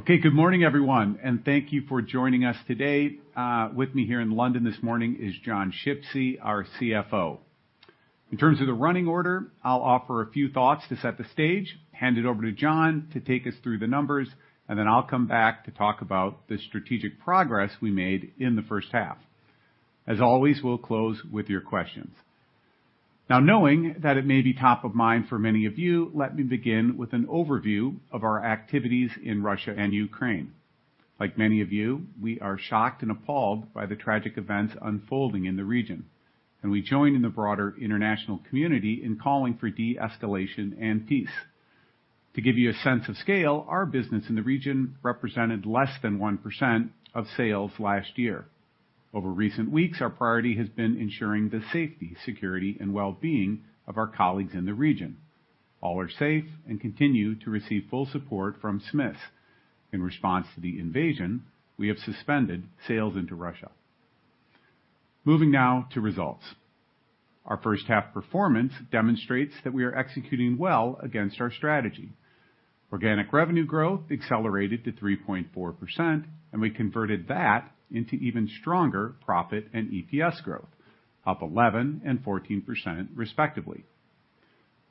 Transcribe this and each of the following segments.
Okay, good morning, everyone, and thank you for joining us today. With me here in London this morning is John Shipsey, our CFO. In terms of the running order, I'll offer a few thoughts to set the stage, hand it over to John to take us through the numbers, and then I'll come back to talk about the strategic progress we made in the first half. As always, we'll close with your questions. Now, knowing that it may be top of mind for many of you, let me begin with an overview of our activities in Russia and Ukraine. Like many of you, we are shocked and appalled by the tragic events unfolding in the region, and we join in the broader international community in calling for de-escalation and peace. To give you a sense of scale, our business in the region represented less than 1% of sales last year. Over recent weeks, our priority has been ensuring the safety, security, and well-being of our colleagues in the region. All are safe and continue to receive full support from Smiths. In response to the invasion, we have suspended sales into Russia. Moving now to results. Our first half performance demonstrates that we are executing well against our strategy. Organic revenue growth accelerated to 3.4%, and we converted that into even stronger profit and EPS growth, up 11% and 14% respectively.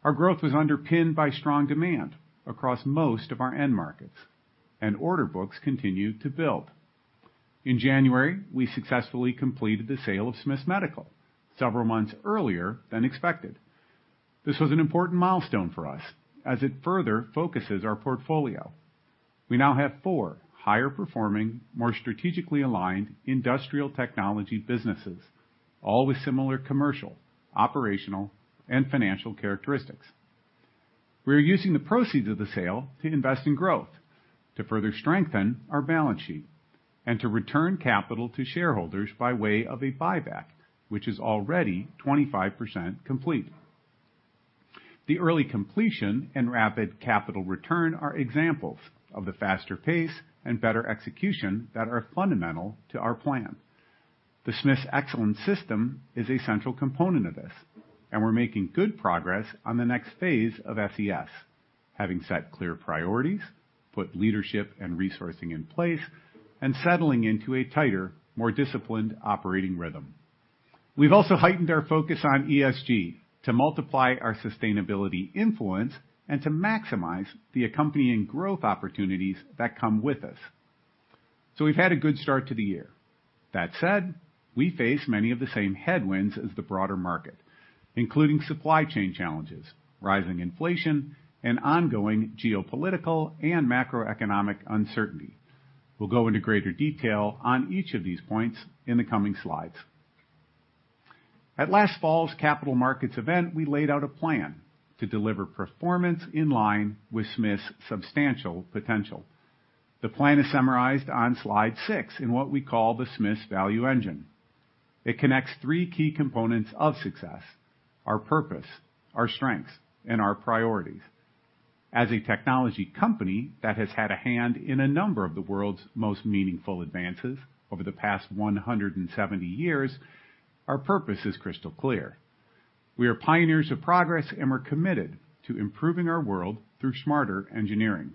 Our growth was underpinned by strong demand across most of our end markets, and order books continued to build. In January, we successfully completed the sale of Smiths Medical several months earlier than expected. This was an important milestone for us as it further focuses our portfolio. We now have four higher performing, more strategically aligned industrial technology businesses, all with similar commercial, operational, and financial characteristics. We are using the proceeds of the sale to invest in growth to further strengthen our balance sheet and to return capital to shareholders by way of a buyback, which is already 25% complete. The early completion and rapid capital return are examples of the faster pace and better execution that are fundamental to our plan. The Smiths Excellence System is a central component of this, and we're making good progress on the next phase of SES, having set clear priorities, put leadership and resourcing in place, and settling into a tighter, more disciplined operating rhythm. We've also heightened our focus on ESG to multiply our sustainability influence and to maximize the accompanying growth opportunities that come with us. We've had a good start to the year. That said, we face many of the same headwinds as the broader market, including supply chain challenges, rising inflation, and ongoing geopolitical and macroeconomic uncertainty. We'll go into greater detail on each of these points in the coming slides. At last fall's capital markets event, we laid out a plan to deliver performance in line with Smiths' substantial potential. The plan is summarized on slide six in what we call the Smiths Value Engine. It connects three key components of success, our purpose, our strengths, and our priorities. As a technology company that has had a hand in a number of the world's most meaningful advances over the past 170 years, our purpose is crystal clear. We are pioneers of progress, and we're committed to improving our world through smarter engineering.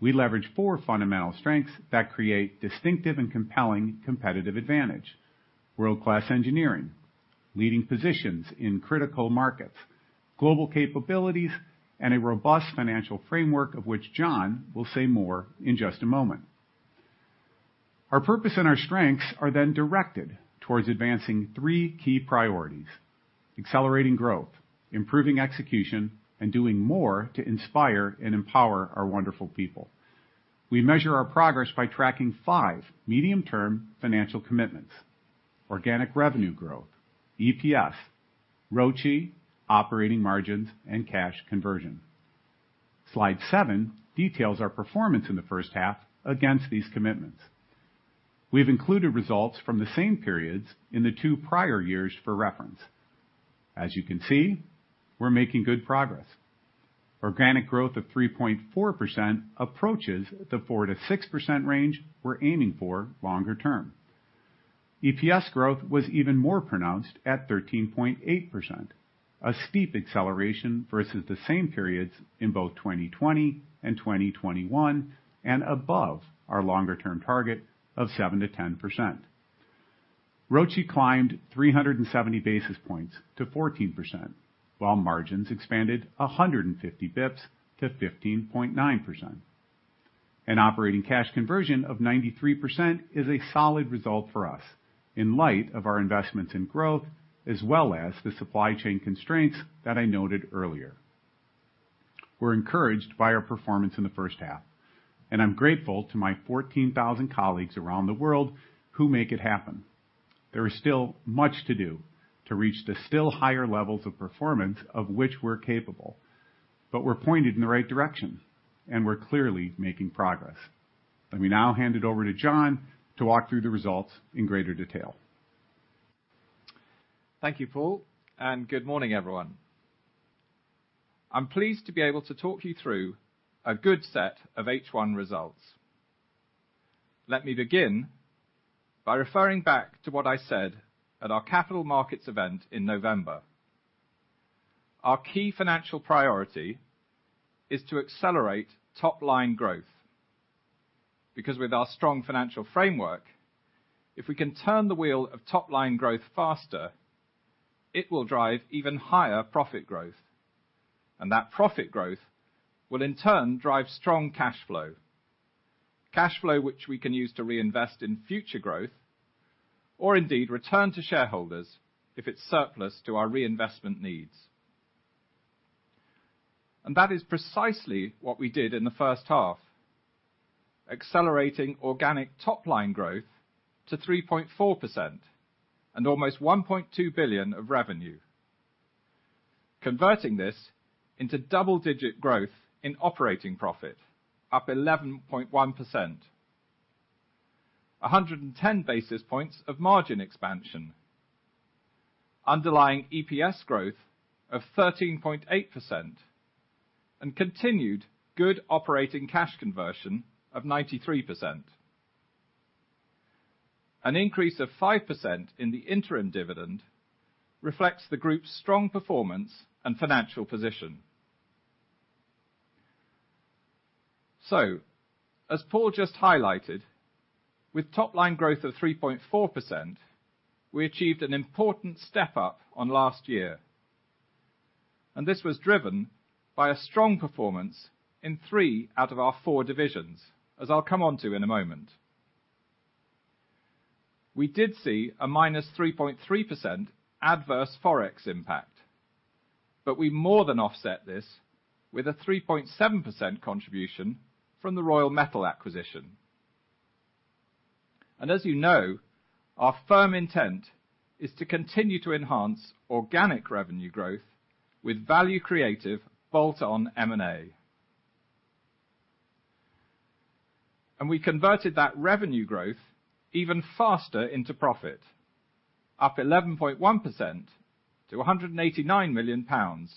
We leverage four fundamental strengths that create distinctive and compelling competitive advantage, world-class engineering, leading positions in critical markets, global capabilities, and a robust financial framework, of which John will say more in just a moment. Our purpose and our strengths are then directed towards advancing three key priorities, accelerating growth, improving execution, and doing more to inspire and empower our wonderful people. We measure our progress by tracking 5 medium-term financial commitments, organic revenue growth, EPS, ROCE, operating margins, and cash conversion. Slide 7 details our performance in the first half against these commitments. We've included results from the same periods in the two prior years for reference. As you can see, we're making good progress. Organic growth of 3.4% approaches the 4%-6% range we're aiming for longer term. EPS growth was even more pronounced at 13.8%, a steep acceleration versus the same periods in both 2020 and 2021, and above our longer-term target of 7%-10%. ROCE climbed 370 basis points to 14%, while margins expanded 150 basis points to 15.9%. An operating cash conversion of 93% is a solid result for us in light of our investments in growth, as well as the supply chain constraints that I noted earlier. We're encouraged by our performance in the first half, and I'm grateful to my 14,000 colleagues around the world who make it happen. There is still much to do to reach the still higher levels of performance of which we're capable, but we're pointed in the right direction, and we're clearly making progress. Let me now hand it over to John to walk through the results in greater detail. Thank you, Paul, and good morning, everyone. I'm pleased to be able to talk you through a good set of H1 results. Let me begin by referring back to what I said at our capital markets event in November. Our key financial priority is to accelerate top line growth. Because with our strong financial framework, if we can turn the wheel of top line growth faster, it will drive even higher profit growth, and that profit growth will in turn drive strong cash flow. Cash flow, which we can use to reinvest in future growth or indeed return to shareholders if it's surplus to our reinvestment needs. That is precisely what we did in the first half, accelerating organic top line growth to 3.4% and almost 1.2 billion of revenue. Converting this into double-digit growth in operating profit up 11.1%. 110 basis points of margin expansion. Underlying EPS growth of 13.8% and continued good operating cash conversion of 93%. An increase of 5% in the interim dividend reflects the group's strong performance and financial position. As Paul just highlighted, with top line growth of 3.4%, we achieved an important step up on last year, and this was driven by a strong performance in 3 out of our 4 divisions, as I'll come on to in a moment. We did see a minus 3.3% adverse Forex impact, but we more than offset this with a 3.7% contribution from the Royal Metal acquisition. As you know, our firm intent is to continue to enhance organic revenue growth with value creative bolt-on M&A. We converted that revenue growth even faster into profit, up 11.1% to 189 million pounds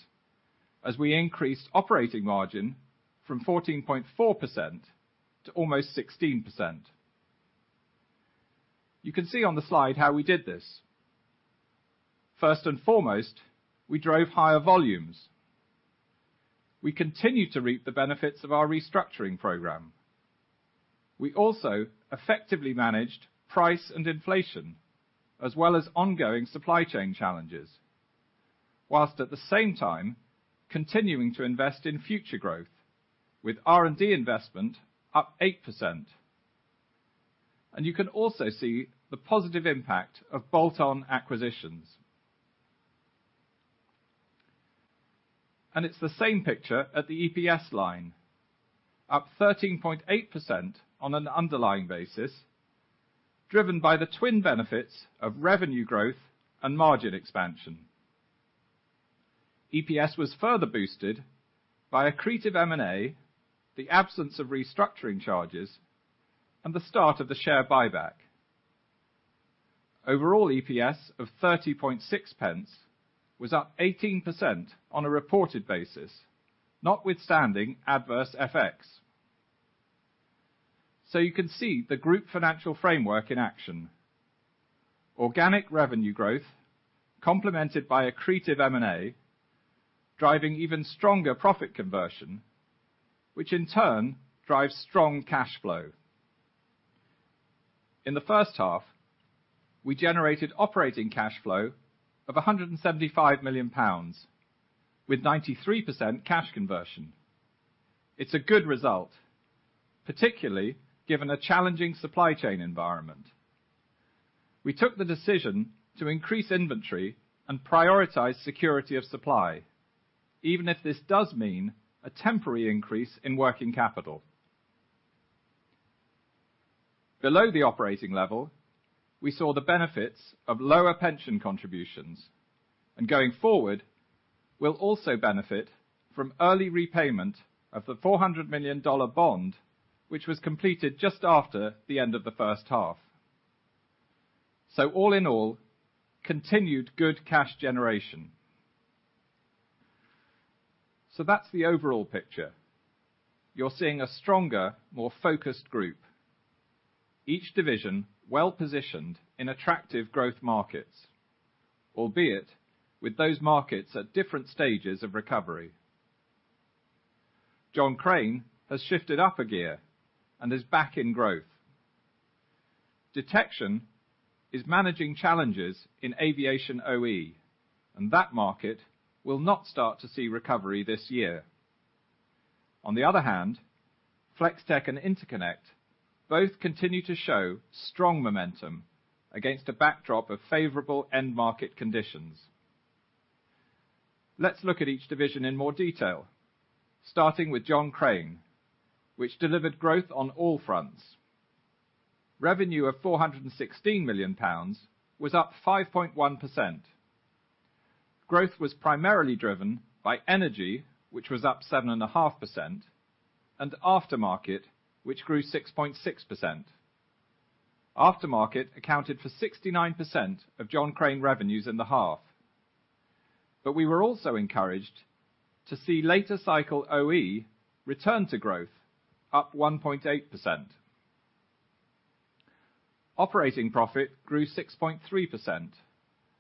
as we increased operating margin from 14.4% to almost 16%. You can see on the slide how we did this. First and foremost, we drove higher volumes. We continued to reap the benefits of our restructuring program. We also effectively managed price and inflation, as well as ongoing supply chain challenges, while at the same time continuing to invest in future growth with R&D investment up 8%. You can also see the positive impact of bolt-on acquisitions. It’s the same picture at the EPS line, up 13.8% on an underlying basis, driven by the twin benefits of revenue growth and margin expansion. EPS was further boosted by accretive M&A, the absence of restructuring charges, and the start of the share buyback. Overall EPS of 30.6 pence was up 18% on a reported basis, notwithstanding adverse FX. You can see the group financial framework in action. Organic revenue growth, complemented by accretive M&A, driving even stronger profit conversion, which in turn drives strong cash flow. In the first half, we generated operating cash flow of 175 million pounds, with 93% cash conversion. It's a good result, particularly given a challenging supply chain environment. We took the decision to increase inventory and prioritize security of supply, even if this does mean a temporary increase in working capital. Below the operating level, we saw the benefits of lower pension contributions, and going forward, we'll also benefit from early repayment of the $400 million bond, which was completed just after the end of the first half. All in all, continued good cash generation. That's the overall picture. You're seeing a stronger, more focused group. Each division well-positioned in attractive growth markets, albeit with those markets at different stages of recovery. John Crane has shifted up a gear and is back in growth. Detection is managing challenges in aviation OE, and that market will not start to see recovery this year. On the other hand, Flex-Tek and Interconnect both continue to show strong momentum against a backdrop of favorable end market conditions. Let's look at each division in more detail, starting with John Crane, which delivered growth on all fronts. Revenue of 416 million pounds was up 5.1%. Growth was primarily driven by energy, which was up 7.5%, and aftermarket, which grew 6.6%. Aftermarket accounted for 69% of John Crane revenues in the half. We were also encouraged to see later cycle OE return to growth, up 1.8%. Operating profit grew 6.3%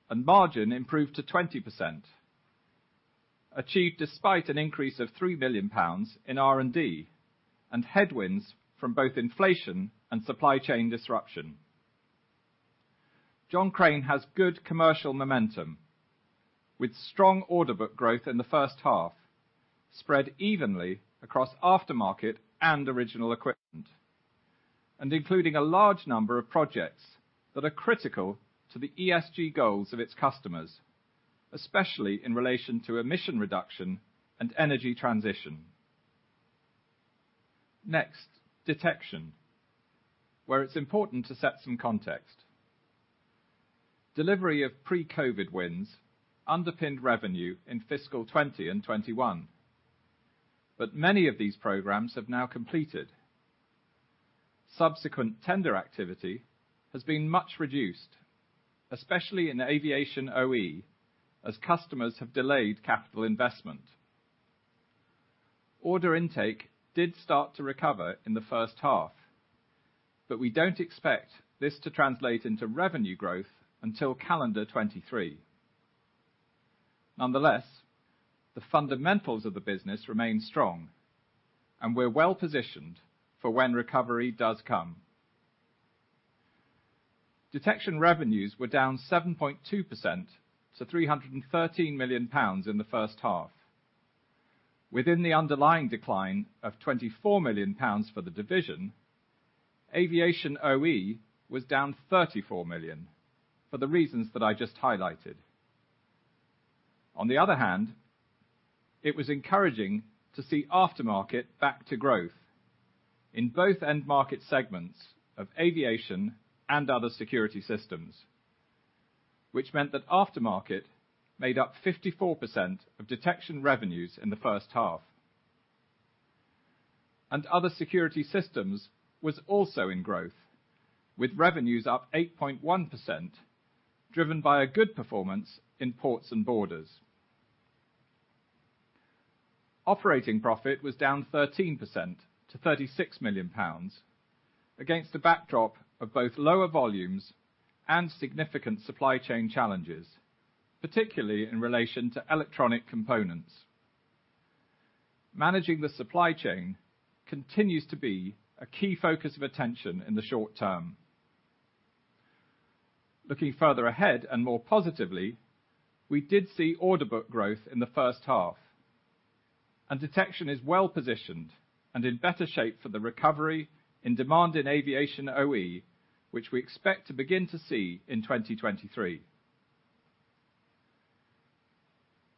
and margin improved to 20%, achieved despite an increase of 3 million pounds in R&D and headwinds from both inflation and supply chain disruption. John Crane has good commercial momentum with strong order book growth in the first half, spread evenly across aftermarket and original equipment, and including a large number of projects that are critical to the ESG goals of its customers, especially in relation to emission reduction and energy transition. Next, Detection, where it's important to set some context. Delivery of pre-COVID wins underpinned revenue in fiscal 2020 and 2021, but many of these programs have now completed. Subsequent tender activity has been much reduced, especially in aviation OE, as customers have delayed capital investment. Order intake did start to recover in the first half, but we don't expect this to translate into revenue growth until calendar 2023. Nonetheless, the fundamentals of the business remain strong and we're well-positioned for when recovery does come. Detection revenues were down 7.2% to 313 million pounds in the first half. Within the underlying decline of 24 million pounds for the division, aviation OE was down 34 million for the reasons that I just highlighted. On the other hand, it was encouraging to see aftermarket back to growth in both end market segments of aviation and other security systems, which meant that aftermarket made up 54% of detection revenues in the first half. Other security systems was also in growth, with revenues up 8.1%, driven by a good performance in ports and borders. Operating profit was down 13% to 36 million pounds against a backdrop of both lower volumes and significant supply chain challenges, particularly in relation to electronic components. Managing the supply chain continues to be a key focus of attention in the short term. Looking further ahead and more positively, we did see order book growth in the first half. Detection is well positioned and in better shape for the recovery in demand in aviation OE, which we expect to begin to see in 2023.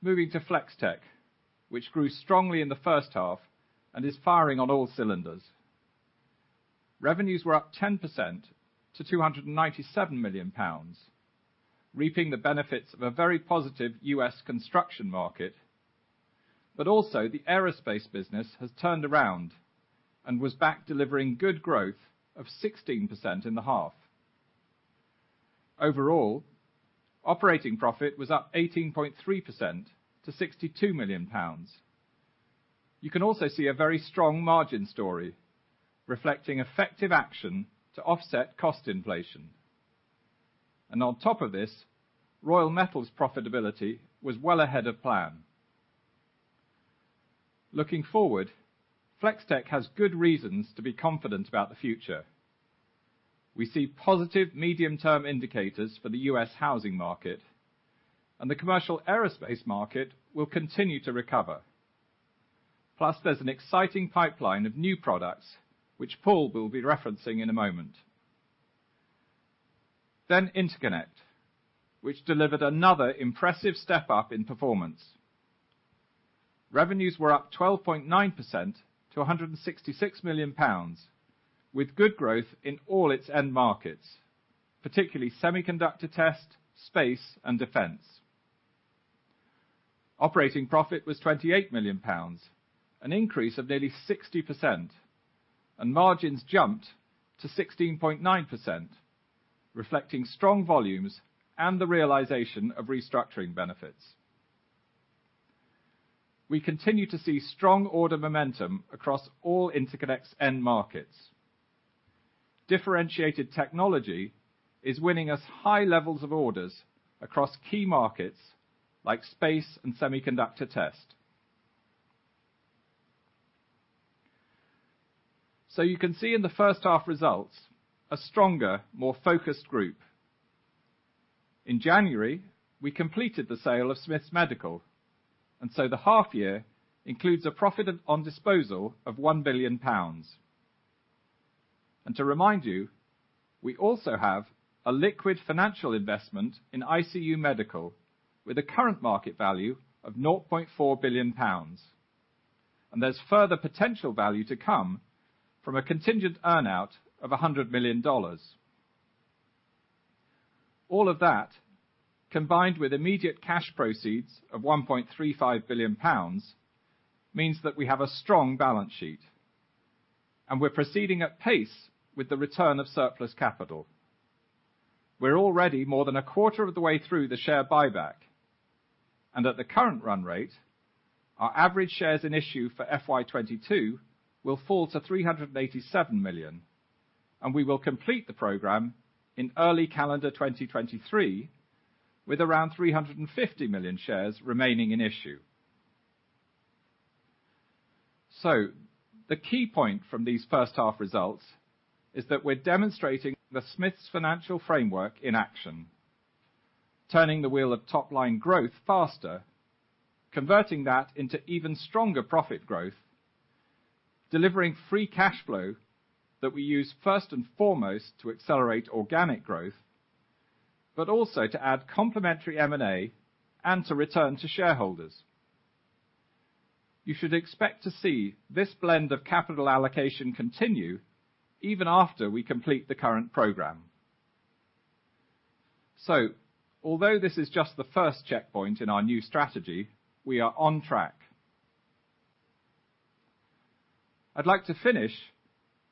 Moving to Flex-Tek, which grew strongly in the first half and is firing on all cylinders. Revenues were up 10% to 297 million pounds, reaping the benefits of a very positive U.S. construction market. Also the aerospace business has turned around and was back delivering good growth of 16% in the half. Overall, operating profit was up 18.3% to 62 million pounds. You can also see a very strong margin story reflecting effective action to offset cost inflation. And on top of this, Royal Metal's profitability was well ahead of plan. Looking forward, Flex-Tek has good reasons to be confident about the future. We see positive medium-term indicators for the U.S. housing market, and the commercial aerospace market will continue to recover. Plus, there's an exciting pipeline of new products which Paul will be referencing in a moment. Interconnect, which delivered another impressive step up in performance. Revenues were up 12.9% to 166 million pounds, with good growth in all its end markets, particularly semiconductor test, space and defense. Operating profit was 28 million pounds, an increase of nearly 60%, and margins jumped to 16.9%, reflecting strong volumes and the realization of restructuring benefits. We continue to see strong order momentum across all Interconnect's end markets. Differentiated technology is winning us high levels of orders across key markets like space and semiconductor test. You can see in the first half results a stronger, more focused group. In January, we completed the sale of Smiths Medical, and so the half year includes a profit of, on disposal of 1 billion pounds. To remind you, we also have a liquid financial investment in ICU Medical with a current market value of 0.4 billion pounds. There's further potential value to come from a contingent earn-out of $100 million. All of that, combined with immediate cash proceeds of 1.35 billion pounds, means that we have a strong balance sheet. We're proceeding at pace with the return of surplus capital. We're already more than a quarter of the way through the share buyback, and at the current run rate, our average shares in issue for FY 2022 will fall to 387 million, and we will complete the program in early calendar 2023 with around 350 million shares remaining in issue. The key point from these first half results is that we're demonstrating the Smiths financial framework in action, turning the wheel of top-line growth faster, converting that into even stronger profit growth, delivering free cash flow that we use first and foremost to accelerate organic growth, but also to add complementary M&A and to return to shareholders. You should expect to see this blend of capital allocation continue even after we complete the current program. Although this is just the first checkpoint in our new strategy, we are on track. I'd like to finish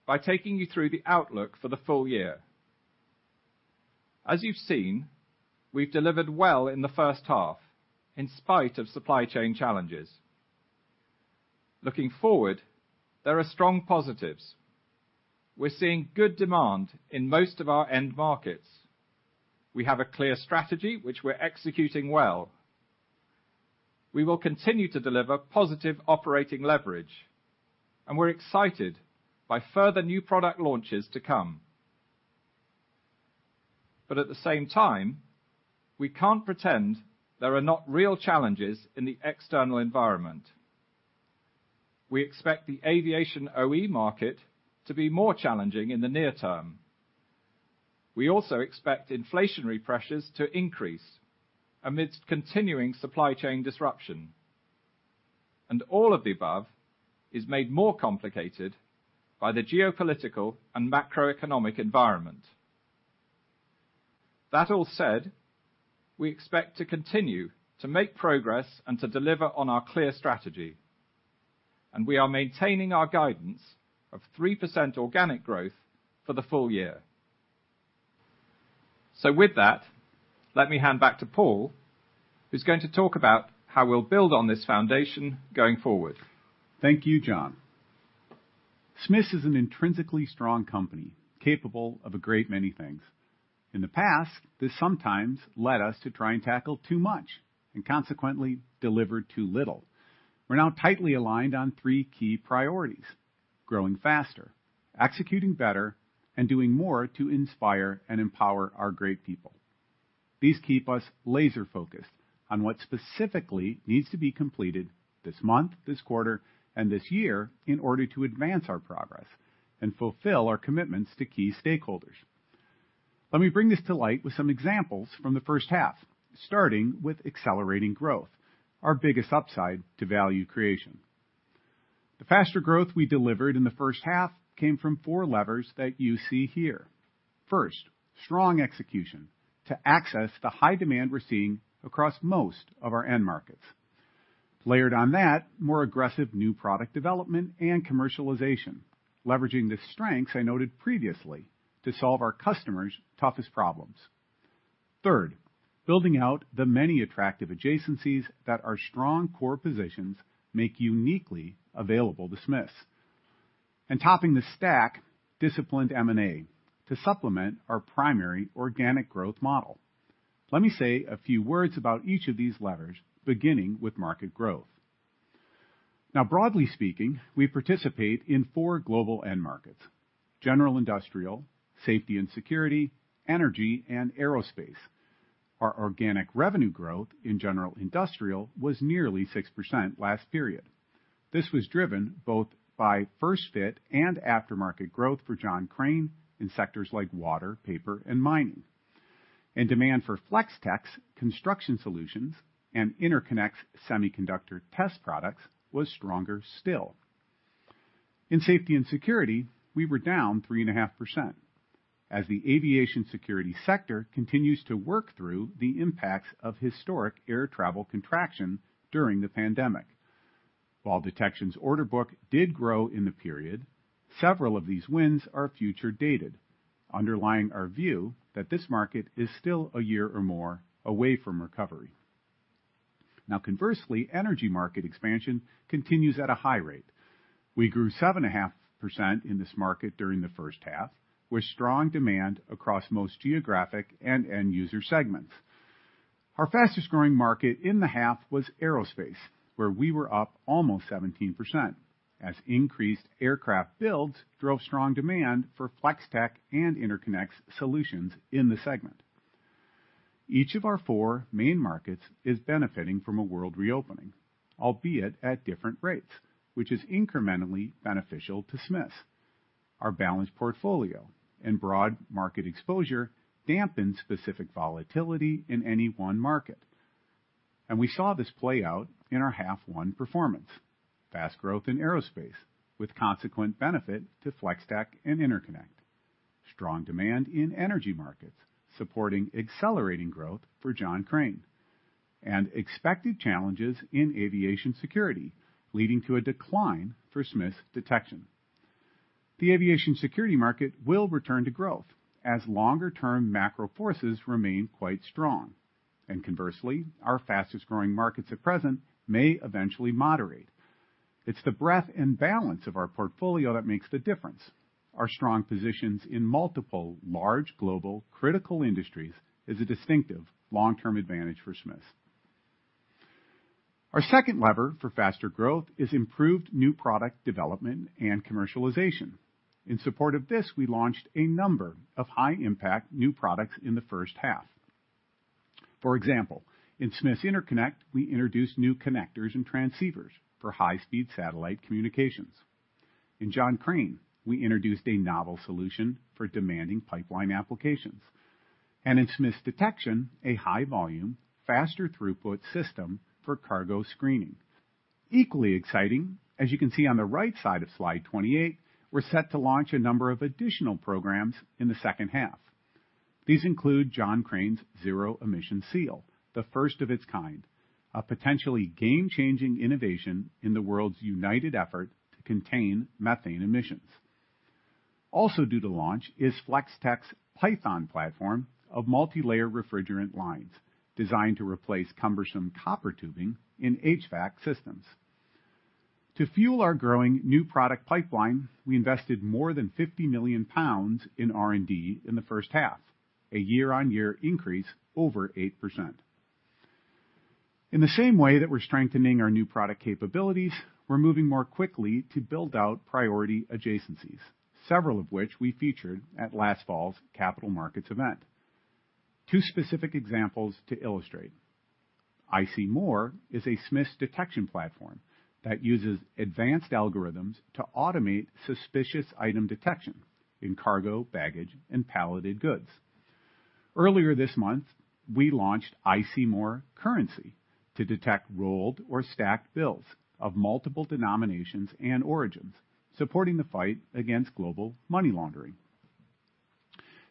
by taking you through the outlook for the full year. As you've seen, we've delivered well in the first half, in spite of supply chain challenges. Looking forward, there are strong positives. We're seeing good demand in most of our end markets. We have a clear strategy which we're executing well. We will continue to deliver positive operating leverage, and we're excited by further new product launches to come. At the same time, we can't pretend there are not real challenges in the external environment. We expect the aviation OE market to be more challenging in the near term. We also expect inflationary pressures to increase amidst continuing supply chain disruption. All of the above is made more complicated by the geopolitical and macroeconomic environment. That all said, we expect to continue to make progress and to deliver on our clear strategy, and we are maintaining our guidance of 3% organic growth for the full year. With that, let me hand back to Paul, who's going to talk about how we'll build on this foundation going forward. Thank you John. Smiths is an intrinsically strong company capable of a great many things. In the past, this sometimes led us to try and tackle too much and consequently deliver too little. We're now tightly aligned on three key priorities. Growing faster, executing better, and doing more to inspire and empower our great people. These keep us laser focused on what specifically needs to be completed this month, this quarter, and this year in order to advance our progress and fulfill our commitments to key stakeholders. Let me bring this to light with some examples from the first half, starting with accelerating growth, our biggest upside to value creation. The faster growth we delivered in the first half came from four levers that you see here. First, strong execution to access the high demand we're seeing across most of our end markets. Layered on that, more aggressive new product development and commercialization, leveraging the strengths I noted previously to solve our customers' toughest problems. Third, building out the many attractive adjacencies that our strong core positions make uniquely available to Smiths. Topping the stack, disciplined M&A to supplement our primary organic growth model. Let me say a few words about each of these levers, beginning with market growth. Now broadly speaking, we participate in four global end markets: general industrial, safety and security, energy, and aerospace. Our organic revenue growth in general industrial was nearly 6% last period. This was driven both by first fit and aftermarket growth for John Crane in sectors like water, paper, and mining. Demand for Flex-Tek's construction solutions and Interconnect's semiconductor test products was stronger still. In safety and security, we were down 3.5%, as the aviation security sector continues to work through the impacts of historic air travel contraction during the pandemic. While detection's order book did grow in the period, several of these wins are future dated, underlying our view that this market is still a year or more away from recovery. Now conversely, energy market expansion continues at a high rate. We grew 7.5% in this market during the first half, with strong demand across most geographic and end user segments. Our fastest-growing market in the half was aerospace, where we were up almost 17% as increased aircraft builds drove strong demand for Flex-Tek and Interconnects solutions in the segment. Each of our four main markets is benefiting from a world reopening, albeit at different rates, which is incrementally beneficial to Smiths. Our balanced portfolio and broad market exposure dampen specific volatility in any one market, and we saw this play out in our half one performance. Fast growth in aerospace with consequent benefit to Flex-Tek and Interconnect. Strong demand in energy markets supporting accelerating growth for John Crane, and expected challenges in aviation security, leading to a decline for Smiths Detection. The aviation security market will return to growth as longer-term macro forces remain quite strong. Conversely, our fastest-growing markets at present may eventually moderate. It's the breadth and balance of our portfolio that makes the difference. Our strong positions in multiple large global critical industries is a distinctive long-term advantage for Smiths. Our second lever for faster growth is improved new product development and commercialization. In support of this, we launched a number of high-impact new products in the first half. For example, in Smiths Interconnect, we introduced new connectors and transceivers for high-speed satellite communications. In John Crane, we introduced a novel solution for demanding pipeline applications. In Smiths Detection, we introduced a high volume, faster throughput system for cargo screening. Equally exciting, as you can see on the right side of slide 28, we're set to launch a number of additional programs in the second half. These include John Crane's zero emission seal, the first of its kind, a potentially game-changing innovation in the world's united effort to contain methane emissions. Also due to launch is Flex-Tek's Python platform of multilayer refrigerant lines designed to replace cumbersome copper tubing in HVAC systems. To fuel our growing new product pipeline, we invested more than 50 million pounds in R&D in the first half, a year-on-year increase over 8%. In the same way that we're strengthening our new product capabilities, we're moving more quickly to build out priority adjacencies, several of which we featured at last fall's capital markets event. Two specific examples to illustrate. iCMORE is a Smiths Detection platform that uses advanced algorithms to automate suspicious item detection in cargo, baggage, and palleted goods. Earlier this month, we launched iCMORE Currency to detect rolled or stacked bills of multiple denominations and origins, supporting the fight against global money laundering.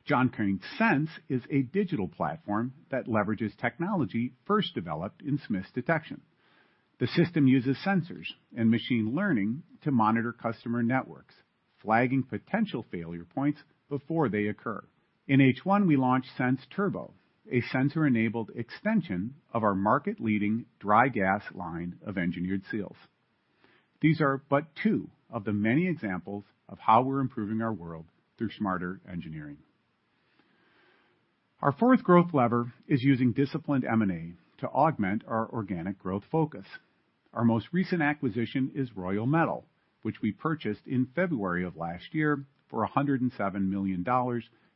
John Crane Sense is a digital platform that leverages technology first developed in Smiths Detection. The system uses sensors and machine learning to monitor customer networks, flagging potential failure points before they occur. In H1, we launched Sense Turbo, a sensor-enabled extension of our market-leading dry gas seals of engineered seals. These are but two of the many examples of how we're improving our world through smarter engineering. Our fourth growth lever is using disciplined M&A to augment our organic growth focus. Our most recent acquisition is Royal Metal, which we purchased in February of last year for $107 million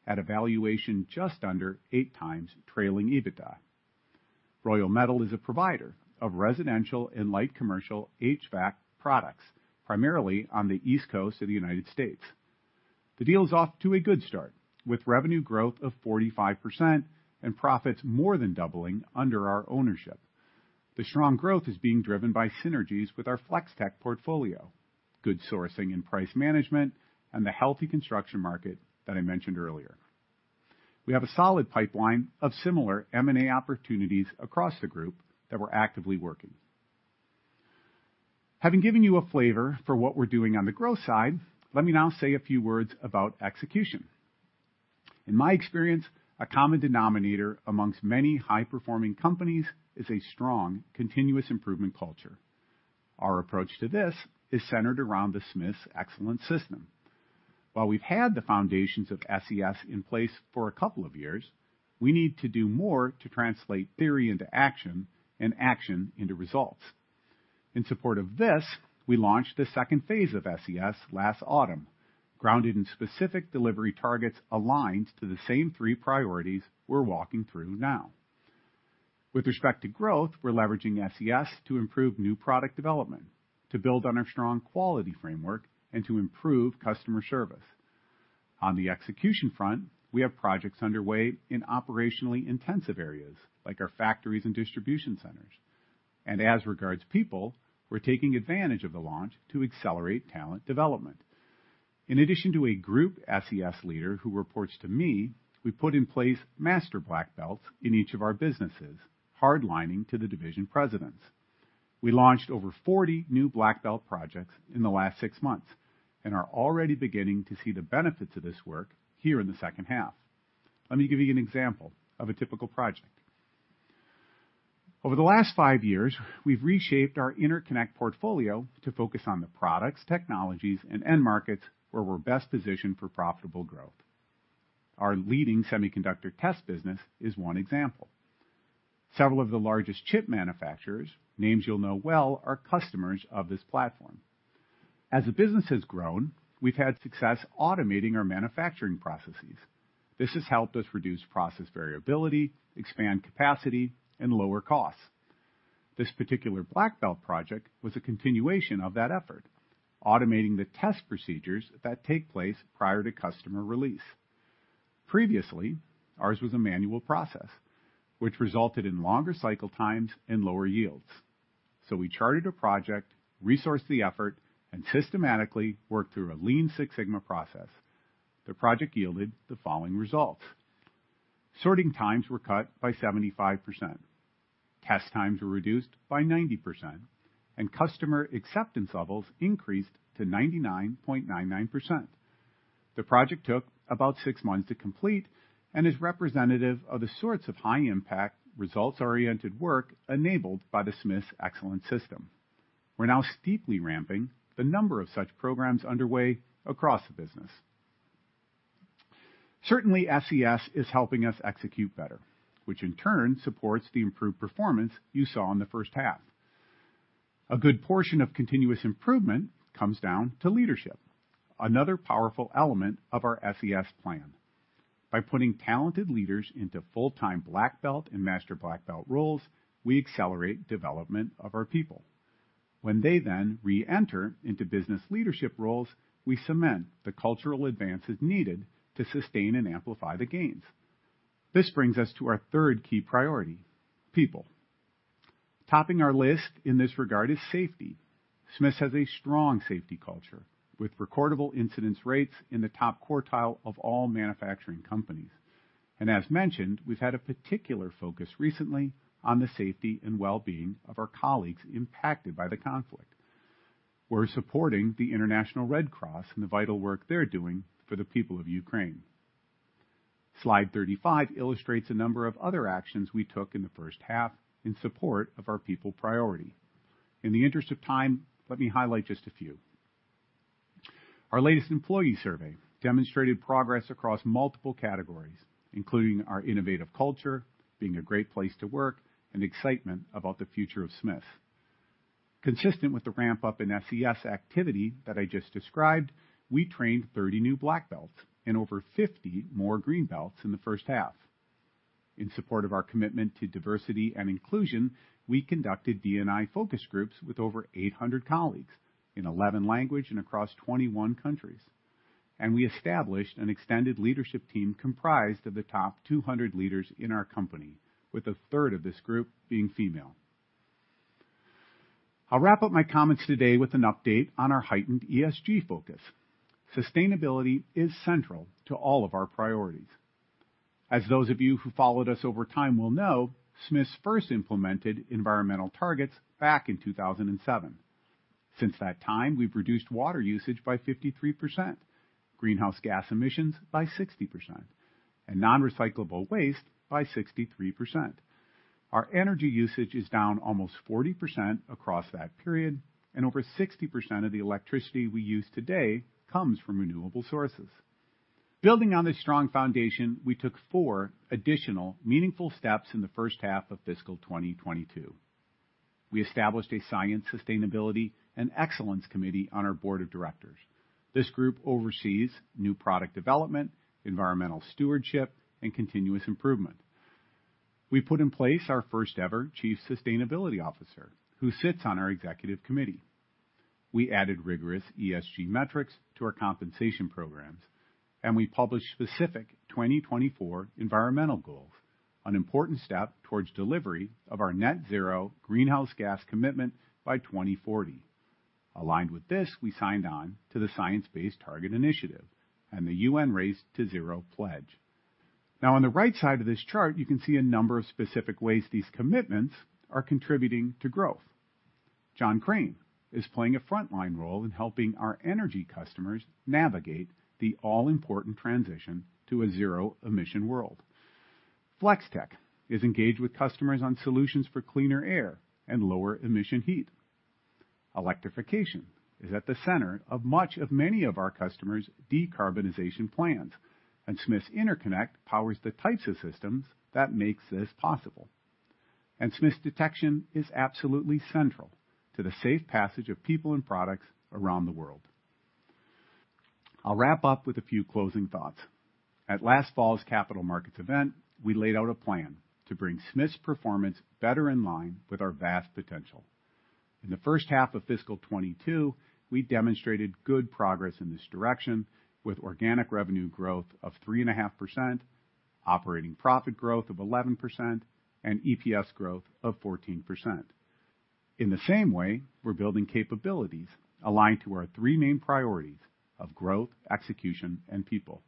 at a valuation just under 8x trailing EBITDA. Royal Metal is a provider of residential and light commercial HVAC products, primarily on the East Coast of the United States. The deal is off to a good start, with revenue growth of 45% and profits more than doubling under our ownership. The strong growth is being driven by synergies with our Flex-Tek portfolio, good sourcing and price management, and the healthy construction market that I mentioned earlier. We have a solid pipeline of similar M&A opportunities across the group that we're actively working. Having given you a flavor for what we're doing on the growth side, let me now say a few words about execution. In my experience, a common denominator among many high-performing companies is a strong continuous improvement culture. Our approach to this is centered around the Smiths Excellence System. While we've had the foundations of SES in place for a couple of years, we need to do more to translate theory into action and action into results. In support of this, we launched the second phase of SES last autumn, grounded in specific delivery targets aligned to the same three priorities we're walking through now. With respect to growth, we're leveraging SES to improve new product development, to build on our strong quality framework, and to improve customer service. On the execution front, we have projects underway in operationally intensive areas like our factories and distribution centers. As regards people, we're taking advantage of the launch to accelerate talent development. In addition to a group SES leader who reports to me, we put in place master black belts in each of our businesses, hard-wiring to the division presidents. We launched over 40 new black belt projects in the last six months and are already beginning to see the benefits of this work here in the second half. Let me give you an example of a typical project. Over the last five years, we've reshaped our interconnect portfolio to focus on the products, technologies, and end markets where we're best positioned for profitable growth. Our leading semiconductor test business is one example. Several of the largest chip manufacturers, names you'll know well, are customers of this platform. As the business has grown, we've had success automating our manufacturing processes. This has helped us reduce process variability, expand capacity, and lower costs. This particular black belt project was a continuation of that effort, automating the test procedures that take place prior to customer release. Previously, ours was a manual process, which resulted in longer cycle times and lower yields. We charted a project, resourced the effort, and systematically worked through a Lean Six Sigma process. The project yielded the following results. Sorting times were cut by 75%, test times were reduced by 90%, and customer acceptance levels increased to 99.99%. The project took about six months to complete and is representative of the sorts of high impact results-oriented work enabled by the Smiths Excellence System. We're now steeply ramping the number of such programs underway across the business. Certainly, SES is helping us execute better, which in turn supports the improved performance you saw in the first half. A good portion of continuous improvement comes down to leadership, another powerful element of our SES plan. By putting talented leaders into full-time black belt and master black belt roles, we accelerate development of our people. When they then re-enter into business leadership roles, we cement the cultural advances needed to sustain and amplify the gains. This brings us to our third key priority, people. Topping our list in this regard is safety. Smiths has a strong safety culture, with recordable incidence rates in the top quartile of all manufacturing companies. As mentioned, we've had a particular focus recently on the safety and well-being of our colleagues impacted by the conflict. We're supporting the International Red Cross and the vital work they're doing for the people of Ukraine. Slide 35 illustrates a number of other actions we took in the first half in support of our people priority. In the interest of time, let me highlight just a few. Our latest employee survey demonstrated progress across multiple categories, including our innovative culture, being a great place to work, and excitement about the future of Smiths. Consistent with the ramp up in SES activity that I just described, we trained 30 new black belts and over 50 more green belts in the first half. In support of our commitment to diversity and inclusion, we conducted D&I focus groups with over 800 colleagues in 11 languages and across 21 countries. We established an extended leadership team comprised of the top 200 leaders in our company, with a third of this group being female. I'll wrap up my comments today with an update on our heightened ESG focus. Sustainability is central to all of our priorities. As those of you who followed us over time will know, Smiths first implemented environmental targets back in 2007. Since that time, we've reduced water usage by 53%, greenhouse gas emissions by 60%, and non-recyclable waste by 63%. Our energy usage is down almost 40% across that period, and over 60% of the electricity we use today comes from renewable sources. Building on this strong foundation, we took four additional meaningful steps in the first half of fiscal 2022. We established a science, sustainability, and excellence committee on our Board of Directors. This group oversees new product development, environmental stewardship, and continuous improvement. We put in place our first ever Chief Sustainability Officer, who sits on our Executive Committee. We added rigorous ESG metrics to our compensation programs, and we published specific 2024 environmental goals, an important step towards delivery of our net zero greenhouse gas commitment by 2040. Aligned with this, we signed on to the Science Based Targets initiative and the UN Race to Zero pledge. Now, on the right side of this chart, you can see a number of specific ways these commitments are contributing to growth. John Crane is playing a frontline role in helping our energy customers navigate the all-important transition to a zero emission world. Flex-Tek is engaged with customers on solutions for cleaner air and lower emission heat. Electrification is at the center of much of many of our customers' decarbonization plans, and Smiths Interconnect powers the types of systems that makes this possible. Smiths Detection is absolutely central to the safe passage of people and products around the world. I'll wrap up with a few closing thoughts. At last fall's capital markets event, we laid out a plan to bring Smiths performance better in line with our vast potential. In the first half of fiscal 2022, we demonstrated good progress in this direction with organic revenue growth of 3.5%, operating profit growth of 11%, and EPS growth of 14%. In the same way, we're building capabilities aligned to our three main priorities of growth, execution, and people.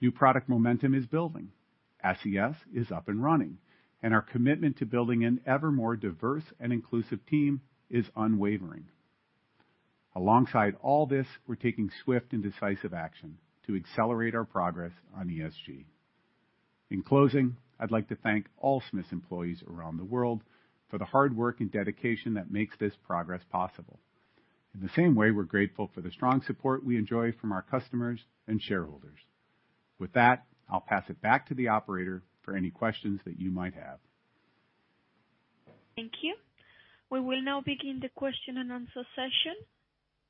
New product momentum is building, SES is up and running, and our commitment to building an ever more diverse and inclusive team is unwavering. Alongside all this, we're taking swift and decisive action to accelerate our progress on ESG. In closing, I'd like to thank all Smiths employees around the world for the hard work and dedication that makes this progress possible. In the same way, we're grateful for the strong support we enjoy from our customers and shareholders. With that, I'll pass it back to the operator for any questions that you might have. Thank you. We will now begin the question and answer session.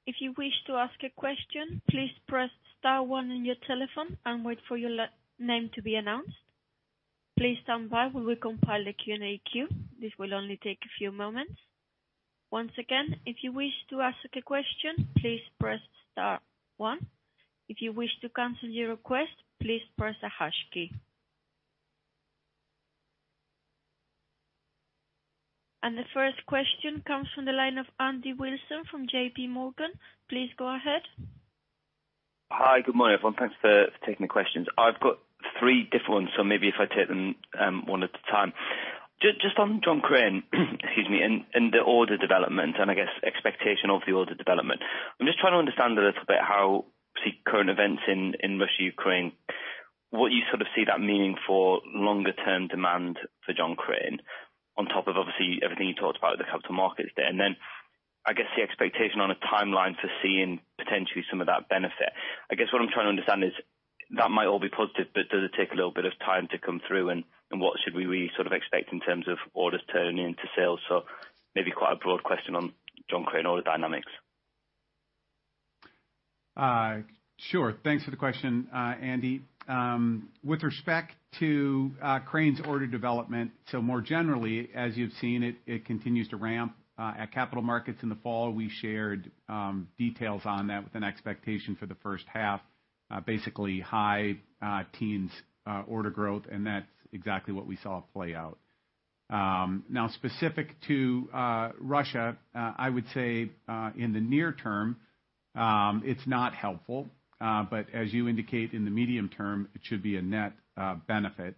If you wish to ask a question, please press star one on your telephone and wait for your last name to be announced. Please stand by while we compile the Q&A queue. This will only take a few moments. Once again, if you wish to ask a question, please press star one. If you wish to cancel your request, please press hash key. The first question comes from the line of Andy Wilson from J.P. Morgan. Please go ahead. Hi. Good morning, everyone. Thanks for taking the questions. I've got three different ones, so maybe if I take them one at a time. Just on John Crane, excuse me, and the order development and I guess expectation of the order development. I'm just trying to understand a little bit how current events in Russia, Ukraine, what you sort of see that meaning for longer-term demand for John Crane on top of obviously everything you talked about at the Capital Markets Day. I guess the expectation on a timeline for seeing potentially some of that benefit. I guess what I'm trying to understand is that might all be positive, but does it take a little bit of time to come through and what should we sort of expect in terms of orders turning into sales? Maybe quite a broad question on John Crane order dynamics? Sure. Thanks for the question, Andy. With respect to Crane's order development, so more generally, as you've seen it continues to ramp at capital markets in the fall. We shared details on that with an expectation for the first half basically high teens order growth, and that's exactly what we saw play out. Now specific to Russia, I would say in the near term it's not helpful, but as you indicate in the medium term, it should be a net benefit.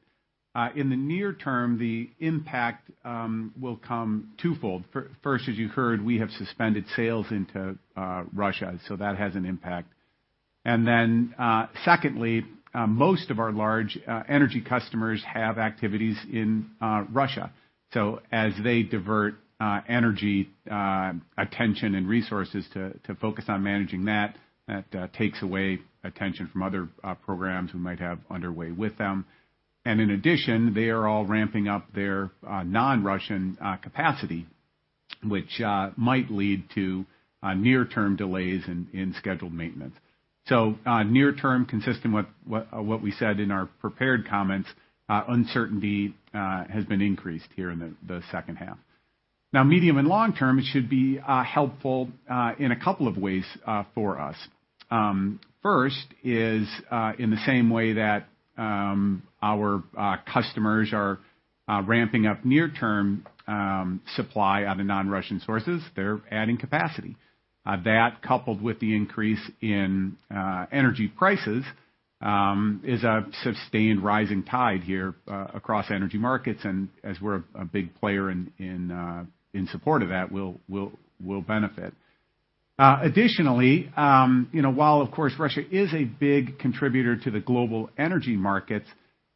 In the near term, the impact will come twofold. First, as you heard, we have suspended sales into Russia, so that has an impact. Secondly, most of our large energy customers have activities in Russia. As they divert energy, attention and resources to focus on managing that takes away attention from other programs we might have underway with them. In addition, they are all ramping up their non-Russian capacity which might lead to near-term delays in scheduled maintenance. Near term, consistent with what we said in our prepared comments, uncertainty has been increased here in the second half. Now, medium and long term, it should be helpful in a couple of ways for us. First is, in the same way that our customers are ramping up near-term supply out of non-Russian sources, they're adding capacity. That coupled with the increase in energy prices is a sustained rising tide here across energy markets and as we're a big player in support of that, we'll benefit. Additionally, you know, while of course, Russia is a big contributor to the global energy markets,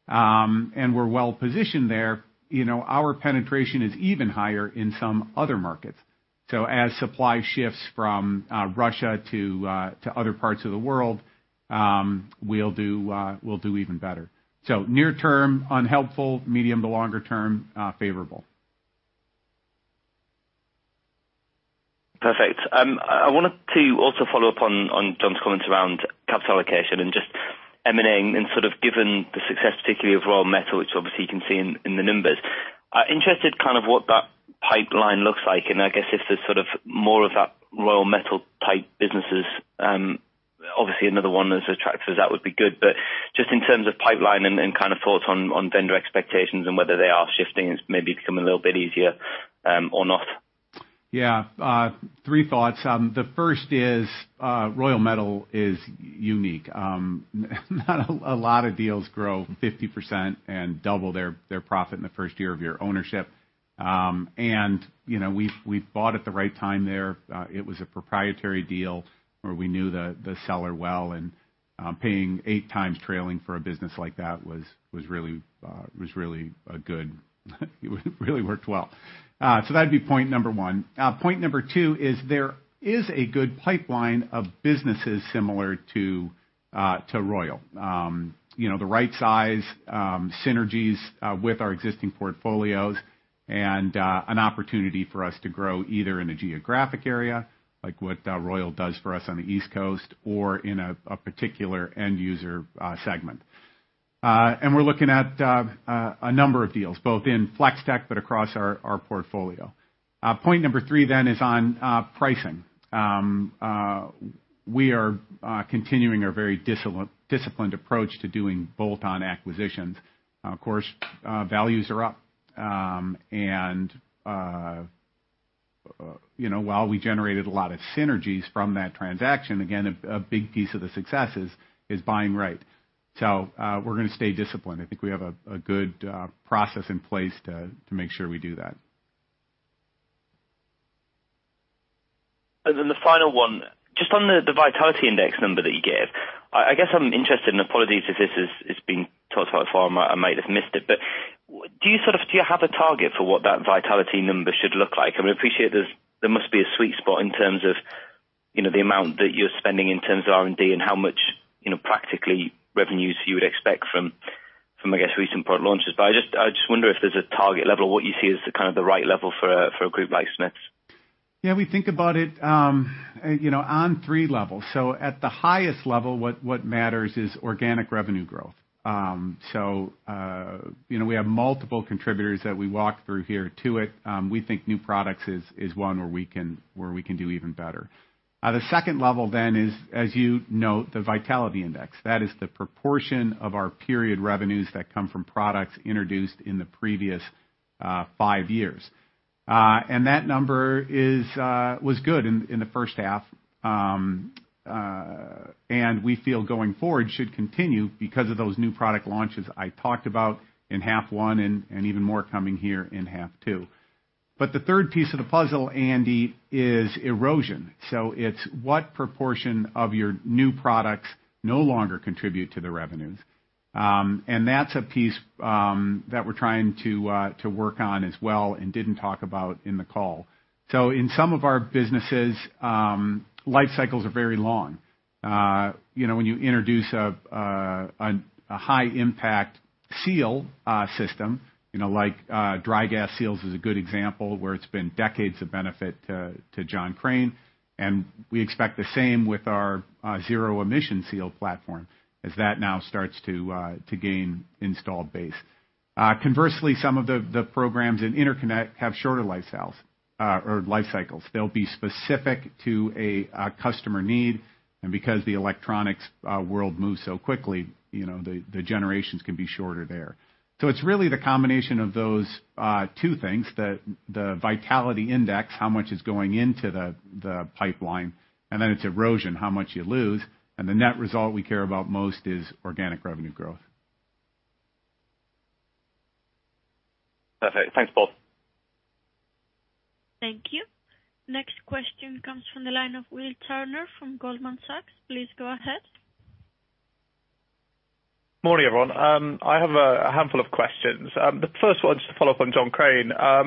and we're well-positioned there, you know, our penetration is even higher in some other markets. As supply shifts from Russia to other parts of the world, we'll do even better. Near term, unhelpful. Medium to longer term, favorable. Perfect. I wanted to also follow up on John's comments around capital allocation and just M&A and sort of given the success, particularly of Royal Metal, which obviously you can see in the numbers. I'm interested kind of what that pipeline looks like and I guess if there's sort of more of that Royal Metal type businesses, obviously another one that's attractive, that would be good. But just in terms of pipeline and kind of thoughts on vendor expectations and whether they are shifting, it's maybe become a little bit easier, or not. Three thoughts. The first is, Royal Metal is unique. Not a lot of deals grow 50% and double their profit in the first year of your ownership. You know, we bought at the right time there. It was a proprietary deal where we knew the seller well, and paying 8x trailing for a business like that was really good. It really worked well. That'd be point number one. Point number two is there is a good pipeline of businesses similar to Royal. You know, the right size, synergies, with our existing portfolios and an opportunity for us to grow either in a geographic area, like what Royal does for us on the East Coast or in a particular end user segment. We're looking at a number of deals both in Flex-Tek, but across our portfolio. Point number three is on pricing. We are continuing our very disciplined approach to doing bolt-on acquisitions. Of course, values are up. You know, while we generated a lot of synergies from that transaction, again, a big piece of the success is buying right. We're gonna stay disciplined. I think we have a good process in place to make sure we do that. The final one, just on the vitality index number that you gave. I guess I'm interested, and apologies if this is being talked about before, I might have missed it. Do you have a target for what that vitality number should look like? I mean, I appreciate there must be a sweet spot in terms of, you know, the amount that you're spending in terms of R&D and how much, you know, practically revenues you would expect from, I guess, recent product launches. I just wonder if there's a target level of what you see as the, kind of the right level for a group like Smiths. Yeah, we think about it, you know, on three levels. At the highest level, what matters is organic revenue growth. You know, we have multiple contributors that we walk through here to it. We think new products is one where we can do even better. The second level then is, as you note, the vitality index. That is the proportion of our period revenues that come from products introduced in the previous five years. That number was good in the first half, and we feel going forward should continue because of those new product launches I talked about in half one and even more coming here in half two. The third piece of the puzzle, Andy, is erosion. It's what proportion of your new products no longer contribute to the revenues? That's a piece that we're trying to work on as well and didn't talk about in the call. In some of our businesses, life cycles are very long. You know, when you introduce a high impact seal system, you know, like, dry gas seals is a good example where it's been decades of benefit to John Crane, and we expect the same with our zero emission seal platform as that now starts to gain installed base. Conversely, some of the programs in Interconnect have shorter lifestyles or life cycles. They'll be specific to a customer need, and because the electronics world moves so quickly, you know, the generations can be shorter there. It's really the combination of those two things, the vitality index, how much is going into the pipeline, and then it's erosion, how much you lose, and the net result we care about most is organic revenue growth. Perfect. Thanks, Paul. Thank you. Next question comes from the line of Will Turner from Goldman Sachs. Please go ahead. Morning, everyone. I have a handful of questions. The first one, just to follow up on John Crane. I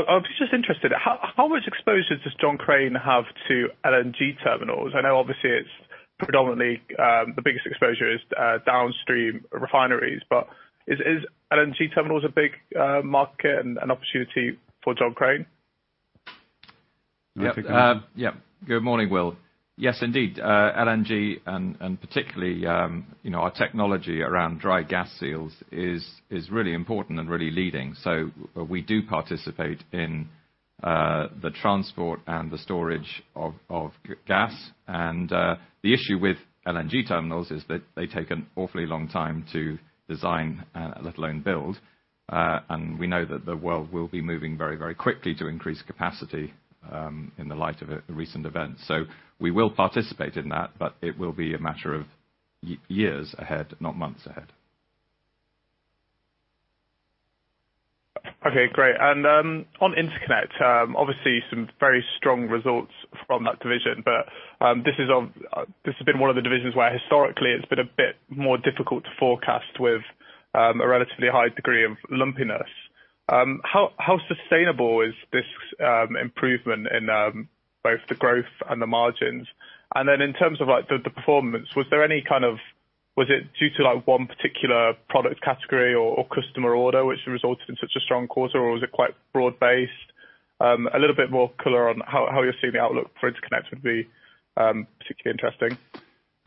was just interested, how much exposure does John Crane have to LNG terminals? I know obviously it's predominantly, the biggest exposure is, downstream refineries, but is LNG terminals a big, market and an opportunity for John Crane? Yeah. Good morning, Will. Yes, indeed. LNG and particularly, you know, our technology around dry gas seals is really important and really leading. We do participate in the transport and the storage of gas. The issue with LNG terminals is that they take an awfully long time to design, let alone build. We know that the world will be moving very quickly to increase capacity, in the light of recent events. We will participate in that, but it will be a matter of years ahead, not months ahead. Okay, great. On interconnect, obviously some very strong results from that division, but this has been one of the divisions where historically it's been a bit more difficult to forecast with a relatively high degree of lumpiness. How sustainable is this improvement in both the growth and the margins? Then in terms of the performance, was there any kind of... Was it due to one particular product category or customer order which resulted in such a strong quarter, or was it quite broad-based? A little bit more color on how you're seeing the outlook for interconnect would be particularly interesting.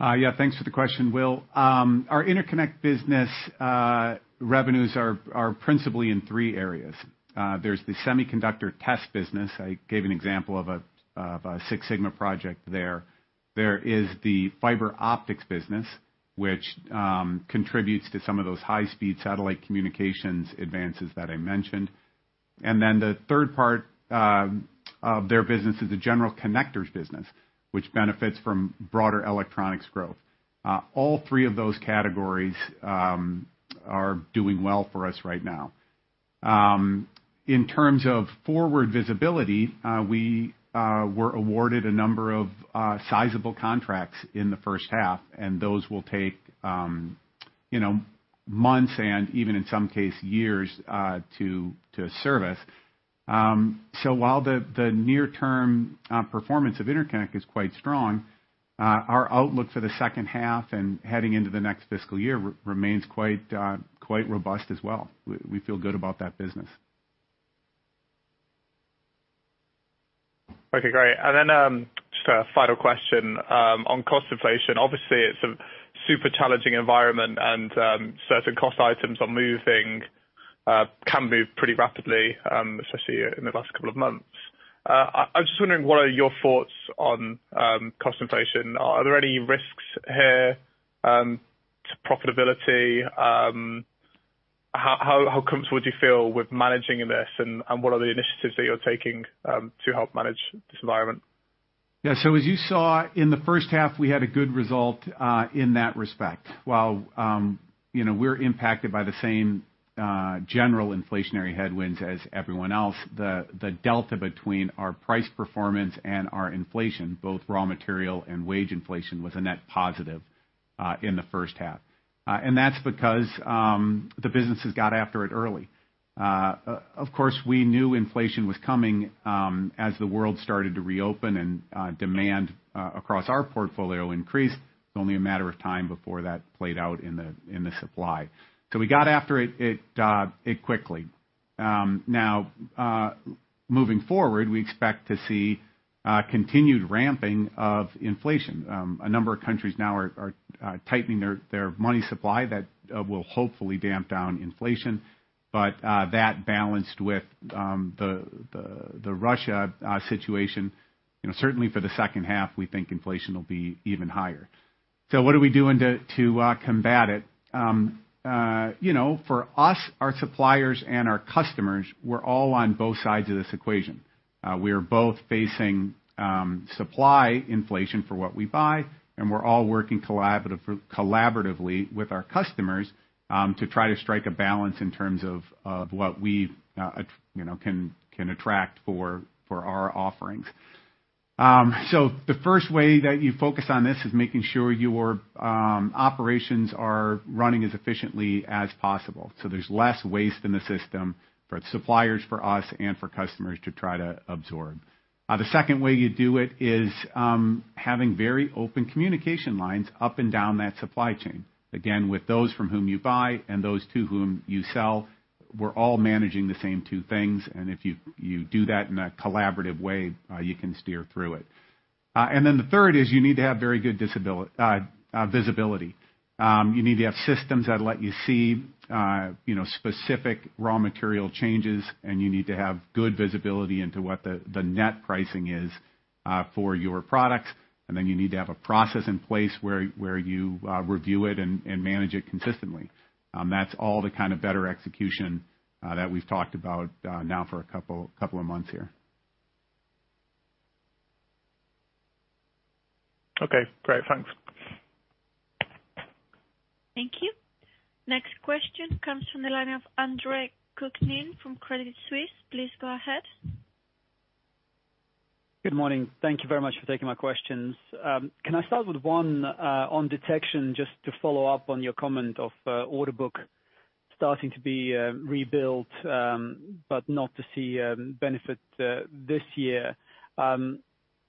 Yeah, thanks for the question, Will. Our Interconnect business revenues are principally in three areas. There's the semiconductor test business. I gave an example of a Six Sigma project there. There is the fiber optics business, which contributes to some of those high-speed satellite communications advances that I mentioned. Then the third part of their business is the general connectors business, which benefits from broader electronics growth. All three of those categories are doing well for us right now. In terms of forward visibility, we were awarded a number of sizable contracts in the first half, and those will take, you know, months and even in some cases, years to service. While the near-term performance of Interconnect is quite strong, our outlook for the second half and heading into the next fiscal year remains quite robust as well. We feel good about that business. Okay, great. Just a final question on cost inflation. Obviously, it's a super challenging environment, and certain cost items are moving, can move pretty rapidly, especially in the last couple of months. I'm just wondering, what are your thoughts on cost inflation? Are there any risks here to profitability? How comfortable do you feel with managing this, and what are the initiatives that you're taking to help manage this environment? Yeah. As you saw in the first half, we had a good result in that respect. While, you know, we're impacted by the same general inflationary headwinds as everyone else, the delta between our price performance and our inflation, both raw material and wage inflation, was a net positive in the first half. That's because the businesses got after it early. Of course, we knew inflation was coming as the world started to reopen and demand across our portfolio increased. It's only a matter of time before that played out in the supply. We got after it quickly. Now, moving forward, we expect to see continued ramping of inflation. A number of countries now are tightening their money supply. That will hopefully damp down inflation. that balanced with the Russia situation, you know, certainly for the second half, we think inflation will be even higher. what are we doing to combat it? you know, for us, our suppliers and our customers, we're all on both sides of this equation. We're both facing supply inflation for what we buy, and we're all working collaboratively with our customers to try to strike a balance in terms of what we you know can attract for our offerings. the first way that you focus on this is making sure your operations are running as efficiently as possible, so there's less waste in the system for suppliers, for us, and for customers to try to absorb. The second way you do it is having very open communication lines up and down that supply chain. Again, with those from whom you buy and those to whom you sell, we're all managing the same two things. If you do that in a collaborative way, you can steer through it. Then the third is you need to have very good visibility. You need to have systems that let you see, you know, specific raw material changes, and you need to have good visibility into what the net pricing is for your products. You need to have a process in place where you review it and manage it consistently. That's all the kind of better execution that we've talked about now for a couple of months here. Okay, great. Thanks. Thank you. Next question comes from the line of Andre Kukhnin from Credit Suisse. Please go ahead. Good morning. Thank you very much for taking my questions. Can I start with one on detection, just to follow up on your comment on order book starting to be rebuilt, but not to see benefit this year. It's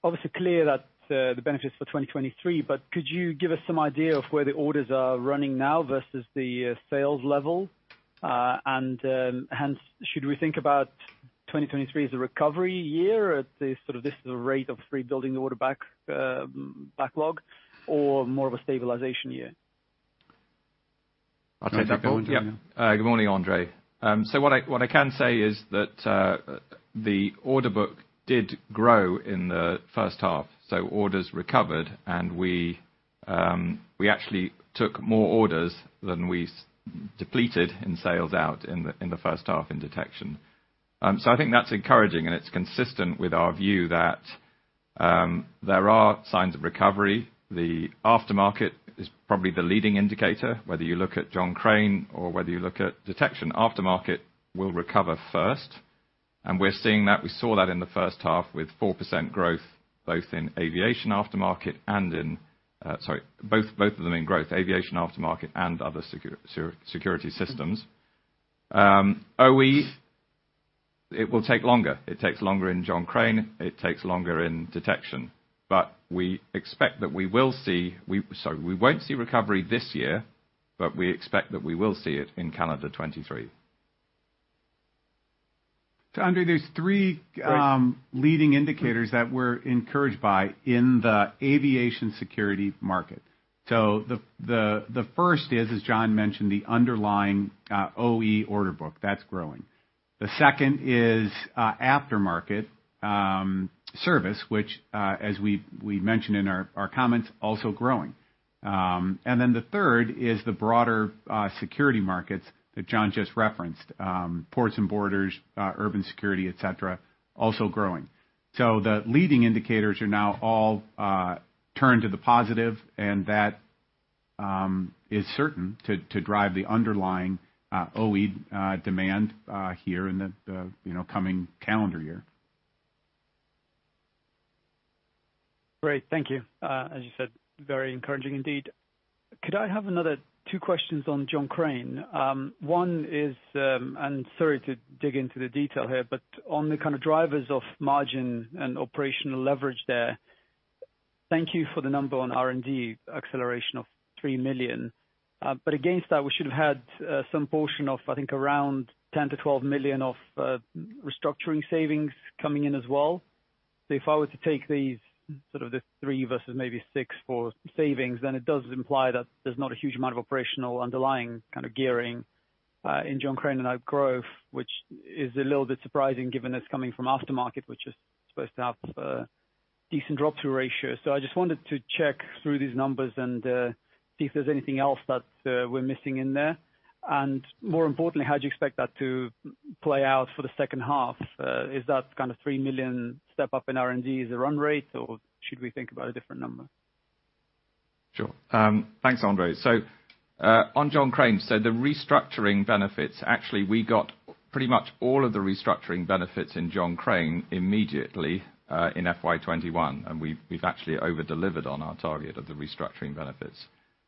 obviously clear that the benefits for 2023, but could you give us some idea of where the orders are running now versus the sales level? Hence, should we think about 2023 as a recovery year at this sort of rate of rebuilding the order backlog or more of a stabilization year? I'll take that one. Yeah. Good morning, Andre. So what I can say is that the order book did grow in the first half, so orders recovered. We actually took more orders than we depleted in sales out in the first half in detection. So I think that's encouraging, and it's consistent with our view that there are signs of recovery. The aftermarket is probably the leading indicator. Whether you look at John Crane or whether you look at detection, aftermarket will recover first. We're seeing that. We saw that in the first half with 4% growth, both in aviation aftermarket and other security systems. OE it will take longer. It takes longer in John Crane. It takes longer in detection. We expect that we won't see recovery this year, but we expect that we will see it in calendar 2023. Andre, there are 3 leading indicators that we're encouraged by in the aviation security market. The first is, as John mentioned, the underlying OE order book. That's growing. The second is aftermarket service, which, as we mentioned in our comments, also growing. And then the third is the broader security markets that John just referenced, ports and borders, urban security, et cetera, also growing. The leading indicators are now all turned to the positive, and that is certain to drive the underlying OE demand here in the, you know, coming calendar year. Great. Thank you. As you said, very encouraging indeed. Could I have another two questions on John Crane? One is, and sorry to dig into the detail here, but on the kind of drivers of margin and operational leverage there. Thank you for the number on R&D acceleration of 3 million. Against that, we should have had some portion of, I think, around 10 million-12 million of restructuring savings coming in as well. If I were to take these, sort of the 3 versus maybe 6 for savings, then it does imply that there's not a huge amount of operational underlying kind of gearing in John Crane and outgrow, which is a little bit surprising given it's coming from aftermarket, which is supposed to have decent drop-through ratio. I just wanted to check through these numbers and see if there's anything else that we're missing in there. More importantly, how do you expect that to play out for the second half? Is that kind of 3 million step up in R&D as a run rate, or should we think about a different number? Sure. Thanks, Andre. On John Crane, the restructuring benefits. Actually, we got pretty much all of the restructuring benefits in John Crane immediately, in FY 2021, and we've actually over-delivered on our target of the restructuring benefits.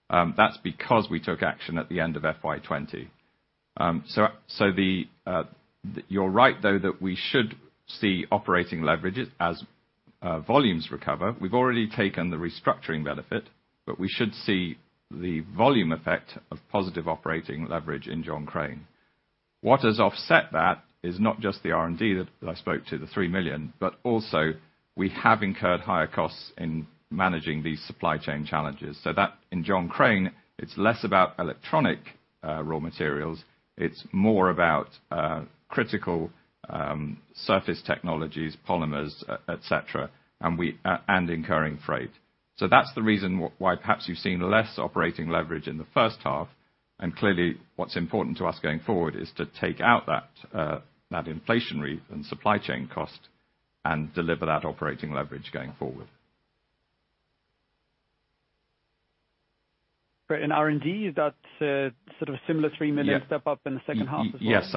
That's because we took action at the end of FY 2020. You're right, though, that we should see operating leverages as volumes recover. We've already taken the restructuring benefit, but we should see the volume effect of positive operating leverage in John Crane. What has offset that is not just the R&D that I spoke to, 3 million, but also we have incurred higher costs in managing these supply chain challenges. That, in John Crane, it's less about electronic raw materials, it's more about critical surface technologies, polymers, et cetera, and incurring freight. That's the reason why perhaps you've seen less operating leverage in the first half. Clearly, what's important to us going forward is to take out that inflation rate and supply chain cost and deliver that operating leverage going forward. Great. R&D, is that sort of similar 3 million? Yeah A step up in the second half as well? Yes.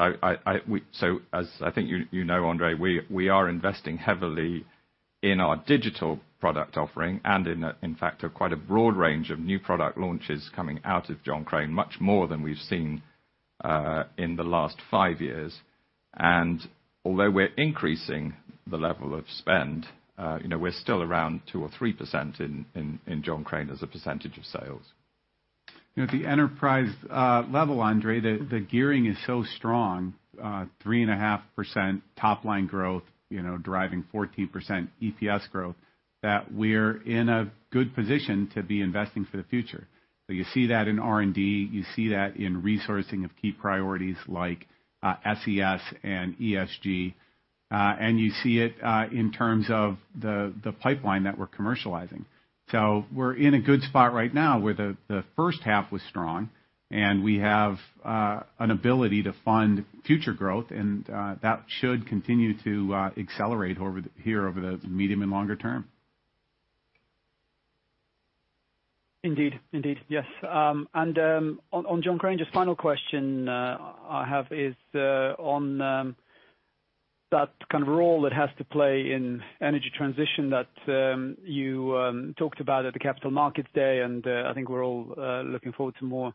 As I think you know, Andre, we are investing heavily in our digital product offering and in fact, quite a broad range of new product launches coming out of John Crane, much more than we've seen in the last five years. Although we're increasing the level of spend, you know, we're still around 2% or 3% in John Crane as a percentage of sales. You know, at the enterprise level, Andre, the gearing is so strong, 3.5% top line growth, you know, driving 14% EPS growth, that we're in a good position to be investing for the future. You see that in R&D, you see that in resourcing of key priorities like SES and ESG, and you see it in terms of the pipeline that we're commercializing. We're in a good spot right now, where the first half was strong and we have an ability to fund future growth, and that should continue to accelerate over the medium and longer term. Indeed. Yes. On John Crane, just final question I have is on that kind of role it has to play in energy transition that you talked about at the Capital Markets Day, and I think we're all looking forward to more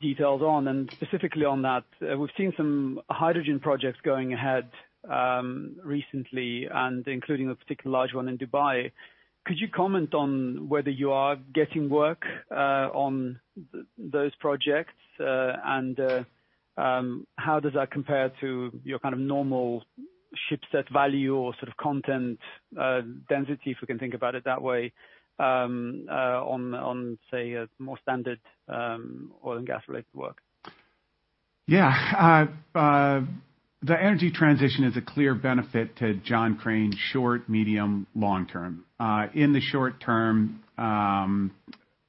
details on. Specifically on that, we've seen some hydrogen projects going ahead recently, including a particularly large one in Dubai. Could you comment on whether you are getting work on those projects? How does that compare to your kind of normal shipset value or sort of content density, if we can think about it that way, on say a more standard oil and gas related work? Yeah. The energy transition is a clear benefit to John Crane, short, medium, long term. In the short term,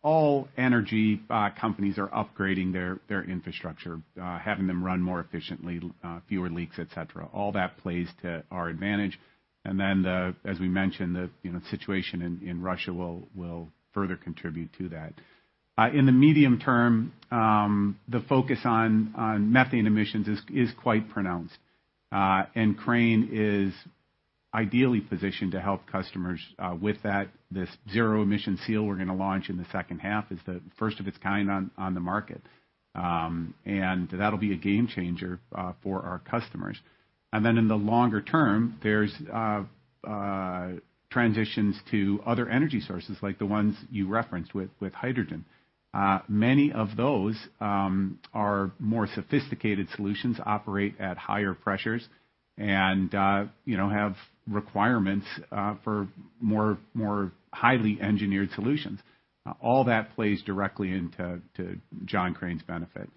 all energy companies are upgrading their infrastructure, having them run more efficiently, fewer leaks, et cetera. All that plays to our advantage. As we mentioned, you know, the situation in Russia will further contribute to that. In the medium term, the focus on methane emissions is quite pronounced. Crane is ideally positioned to help customers with that. This zero emission seal we're gonna launch in the second half is the first of its kind on the market. That'll be a game changer for our customers. In the longer term, there's transitions to other energy sources like the ones you referenced with hydrogen. Many of those are more sophisticated solutions, operate at higher pressures and, you know, have requirements for more highly engineered solutions. All that plays directly into John Crane's benefit.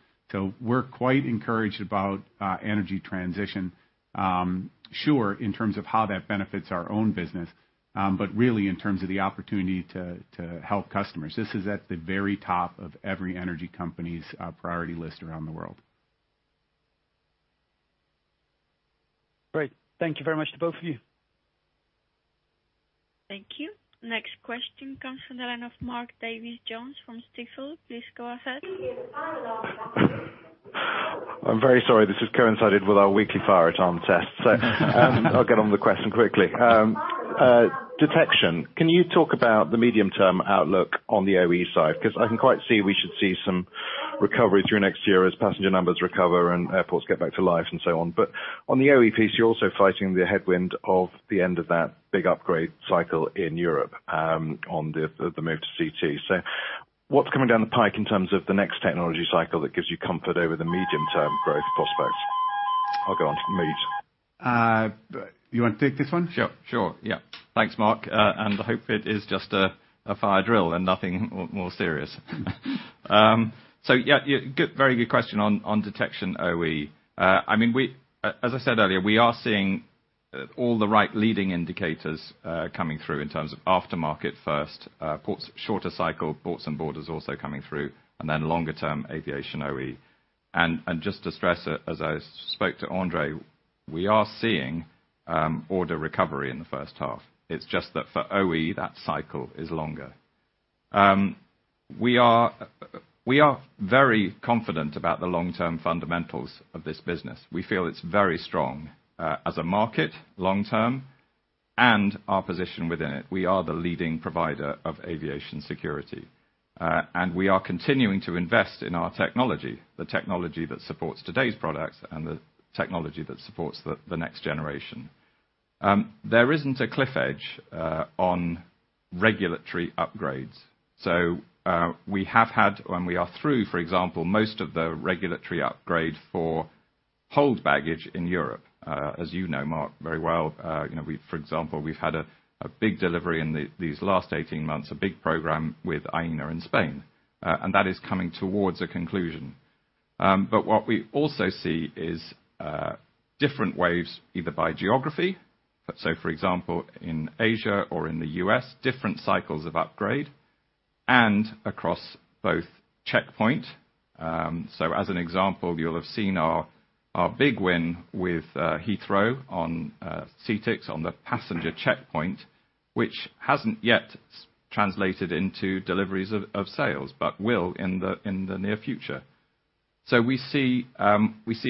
We're quite encouraged about energy transition, sure, in terms of how that benefits our own business, but really in terms of the opportunity to help customers. This is at the very top of every energy company's priority list around the world. Great. Thank you very much to both of you. Thank you. Next question comes from the line of Mark Davies Jones from Stifel. Please go ahead. I'm very sorry. This has coincided with our weekly fire at home test. I'll get on with the question quickly. Detection. Can you talk about the medium-term outlook on the OE side? 'Cause I can quite see we should see some recovery through next year as passenger numbers recover and airports get back to life and so on. On the OE piece, you're also fighting the headwind of the end of that big upgrade cycle in Europe, on the move to CT. What's coming down the pike in terms of the next technology cycle that gives you comfort over the medium-term growth prospects? I'll go onto mute. You wanna take this one? Sure, yeah. Thanks, Mark. I hope it is just a fire drill and nothing more serious. Yeah, good, very good question on detection OE. I mean, as I said earlier, we are seeing all the right leading indicators coming through in terms of aftermarket first, ports, shorter cycle ports and borders also coming through, and then longer term aviation OE. Just to stress, as I spoke to Andre, we are seeing order recovery in the first half. It's just that for OE, that cycle is longer. We are very confident about the long-term fundamentals of this business. We feel it's very strong as a market long term and our position within it. We are the leading provider of aviation security. We are continuing to invest in our technology, the technology that supports today's products and the technology that supports the next generation. There isn't a cliff edge on regulatory upgrades. We have had, and we are through, for example, most of the regulatory upgrade for hold baggage in Europe, as you know, Mark, very well. You know, we've, for example, had a big delivery in these last 18 months, a big program with Aena in Spain. That is coming towards a conclusion. What we also see is different waves, either by geography. So for example, in Asia or in the U.S., different cycles of upgrade and across both checkpoints. As an example, you'll have seen our big win with Heathrow on CTiX on the passenger checkpoint, which hasn't yet translated into deliveries of sales, but will in the near future. We see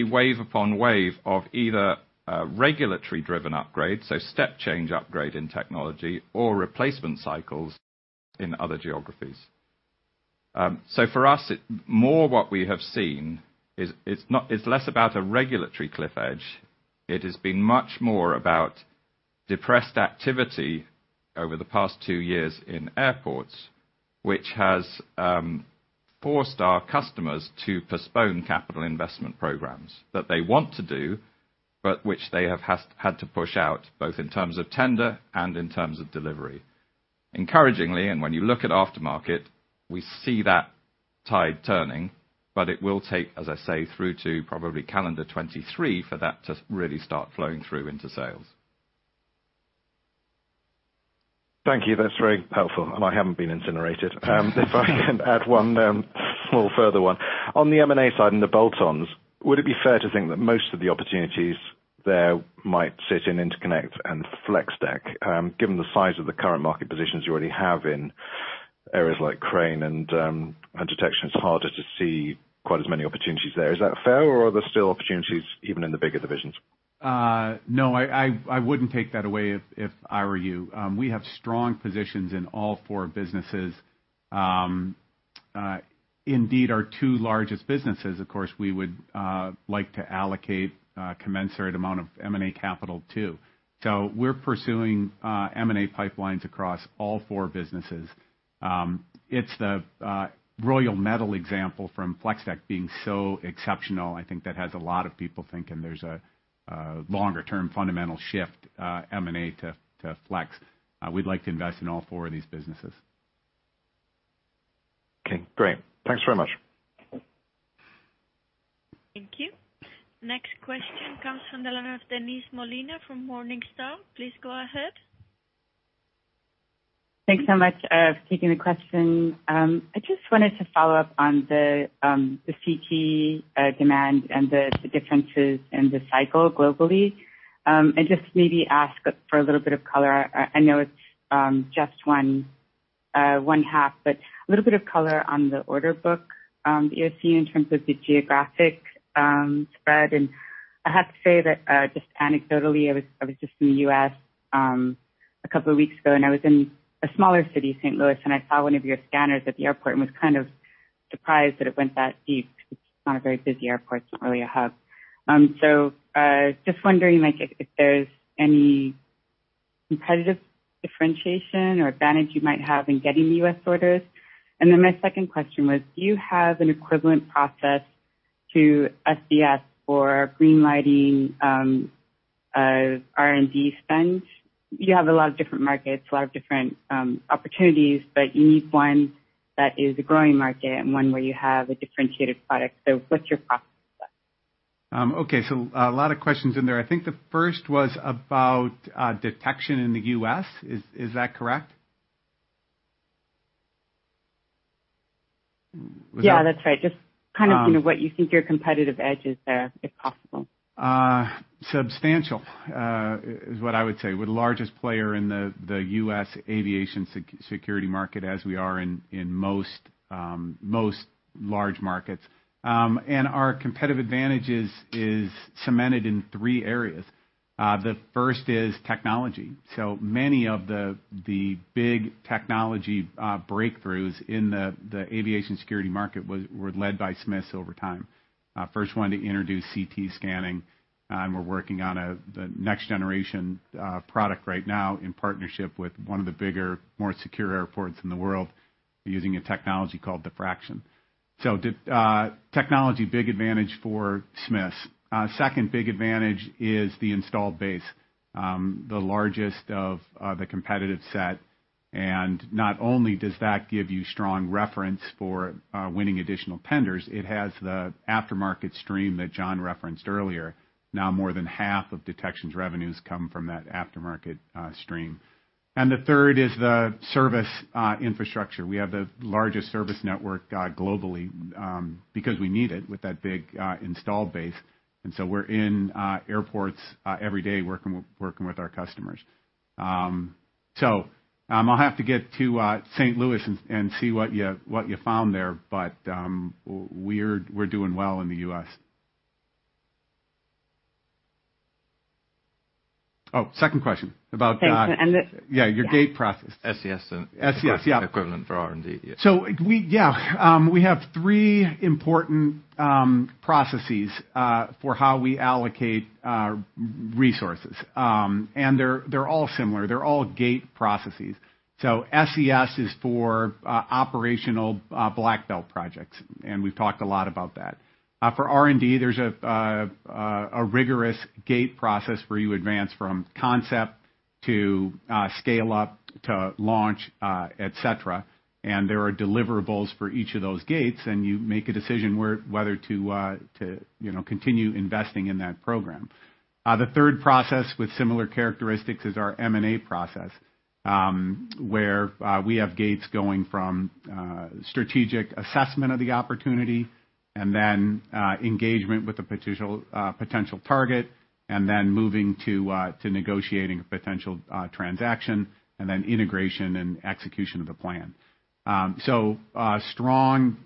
wave upon wave of either regulatory driven upgrades, so step change upgrade in technology or replacement cycles in other geographies. For us, more what we have seen is it's not. It's less about a regulatory cliff edge. It has been much more about depressed activity over the past two years in airports, which has forced our customers to postpone capital investment programs that they want to do, but which they have had to push out, both in terms of tender and in terms of delivery. Encouragingly, when you look at aftermarket, we see that tide turning, but it will take, as I say, through to probably calendar 2023 for that to really start flowing through into sales. Thank you. That's very helpful. I haven't been incinerated. If I can add one more further one. On the M&A side and the bolt-ons, would it be fair to think that most of the opportunities there might sit in Interconnect and Flex-Tek, given the size of the current market positions you already have in areas like Crane and Detection. It's harder to see quite as many opportunities there. Is that fair or are there still opportunities even in the bigger divisions? No, I wouldn't take that away if I were you. We have strong positions in all four businesses. Indeed, our two largest businesses, of course, we would like to allocate a commensurate amount of M&A capital too. We're pursuing M&A pipelines across all four businesses. It's the Royal Metal example from Flex-Tek being so exceptional, I think that has a lot of people thinking there's a longer term fundamental shift, M&A to Flex. We'd like to invest in all four of these businesses. Okay, great. Thanks very much. Thank you. Next question comes from the line of Denise Molina from Morningstar. Please go ahead. Thanks so much for taking the question. I just wanted to follow up on the CT demand and the differences in the cycle globally. Just maybe ask for a little bit of color. I know it's just one half, but a little bit of color on the order book, OE in terms of the geographic spread. I have to say that just anecdotally, I was just in the U.S. a couple of weeks ago, and I was in a smaller city, St. Louis, and I saw one of your scanners at the airport and was kind of surprised that it went that deep. It's not a very busy airport. It's not really a hub. Just wondering, like, if there's any competitive differentiation or advantage you might have in getting U.S. orders. Then my second question was, do you have an equivalent process to SES for green lighting R&D spend? You have a lot of different markets, a lot of different opportunities, but you need one that is a growing market and one where you have a differentiated product. What's your process like? Okay, a lot of questions in there. I think the first was about detection in the U.S. Is that correct? Yeah, that's right. Just kind of, you know, what you think your competitive edge is there, if possible. Substantial is what I would say. We're largest player in the U.S. aviation security market as we are in most large markets. Our competitive advantage is cemented in three areas. The first is technology. So many of the big technology breakthroughs in the aviation security market were led by Smiths over time. First one to introduce CT scanning, and we're working on the next generation product right now in partnership with one of the bigger, more secure airports in the world, using a technology called diffraction. Technology, big advantage for Smiths. Second big advantage is the installed base, the largest of the competitive set. Not only does that give you strong reference for winning additional tenders, it has the aftermarket stream that John referenced earlier. Now more than half of Detection's revenues come from that aftermarket stream. The third is the service infrastructure. We have the largest service network globally because we need it with that big installed base. We're in airports every day, working with our customers. I'll have to get to St. Louis and see what you found there. We're doing well in the U.S. Oh, second question about the- Thanks. Yeah, your gate process. SES. SES, yeah. Equivalent for R&D. Yeah. We have three important processes for how we allocate our resources. They're all similar. They're all gate processes. SES is for operational black belt projects, and we've talked a lot about that. For R&D, there's a rigorous gate process where you advance from concept to scale up, to launch, et cetera. There are deliverables for each of those gates, and you make a decision whether to you know continue investing in that program. The third process with similar characteristics is our M&A process, where we have gates going from strategic assessment of the opportunity and then engagement with the potential target, and then moving to negotiating a potential transaction, and then integration and execution of the plan. A strong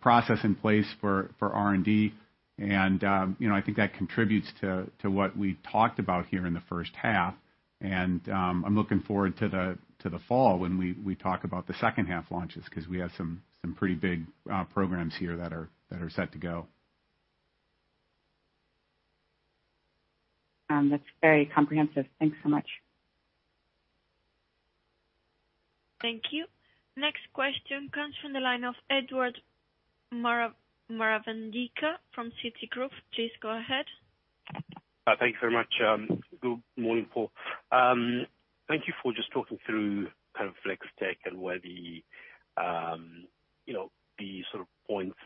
process in place for R&D. You know, I think that contributes to what we talked about here in the first half. I'm looking forward to the fall when we talk about the second half launches because we have some pretty big programs here that are set to go. That's very comprehensive. Thanks so much. Thank you. Next question comes from the line of Ephrem Ravi Maravanyika from Citigroup. Please go ahead. Thank you very much. Good morning, Paul. Thank you for just talking through kind of Flex-Tek and where, you know, the sort of points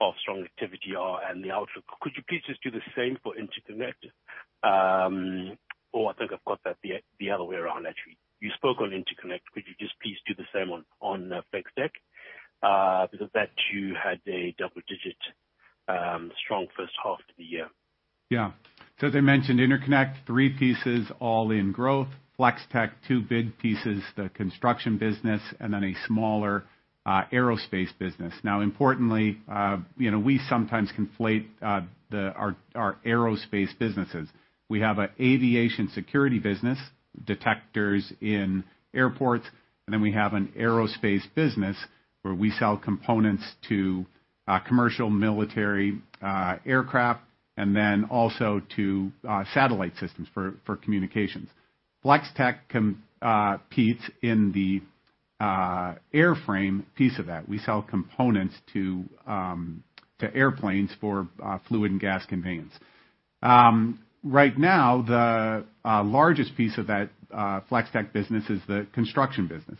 of strong activity are and the outlook. Could you please just do the same for Interconnect? Or I think I've got that the other way around actually. You spoke on Interconnect. Could you just please do the same on Flex-Tek? Because that too had a double-digit strong first half to the year. As I mentioned, Interconnect, three pieces, all in growth. Flex-Tek, two big pieces, the construction business and then a smaller aerospace business. Now, importantly, you know, we sometimes conflate our aerospace businesses. We have an aviation security business, detectors in airports, and then we have an aerospace business where we sell components to commercial military aircraft and then also to satellite systems for communications. Flex-Tek competes in the airframe piece of that. We sell components to airplanes for fluid and gas conveyance. Right now, the largest piece of that Flex-Tek business is the construction business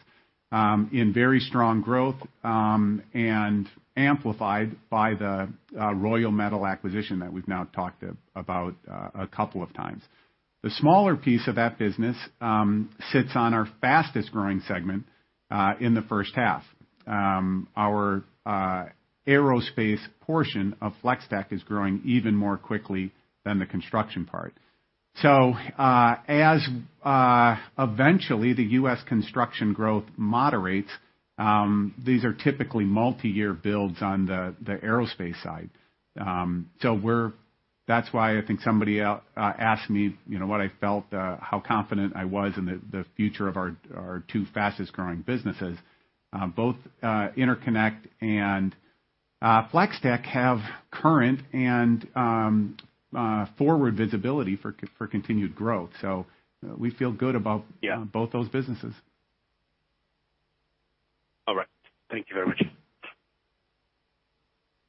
in very strong growth and amplified by the Royal Metal Products acquisition that we've now talked about a couple of times. The smaller piece of that business sits on our fastest-growing segment in the first half. Our aerospace portion of Flex-Tek is growing even more quickly than the construction part. As eventually the U.S. construction growth moderates, these are typically multi-year builds on the aerospace side. That's why I think somebody asked me, you know, what I felt how confident I was in the future of our two fastest-growing businesses. Both Interconnect and Flex-Tek have current and forward visibility for continued growth. We feel good about- Yeah. Both those businesses. All right. Thank you very much.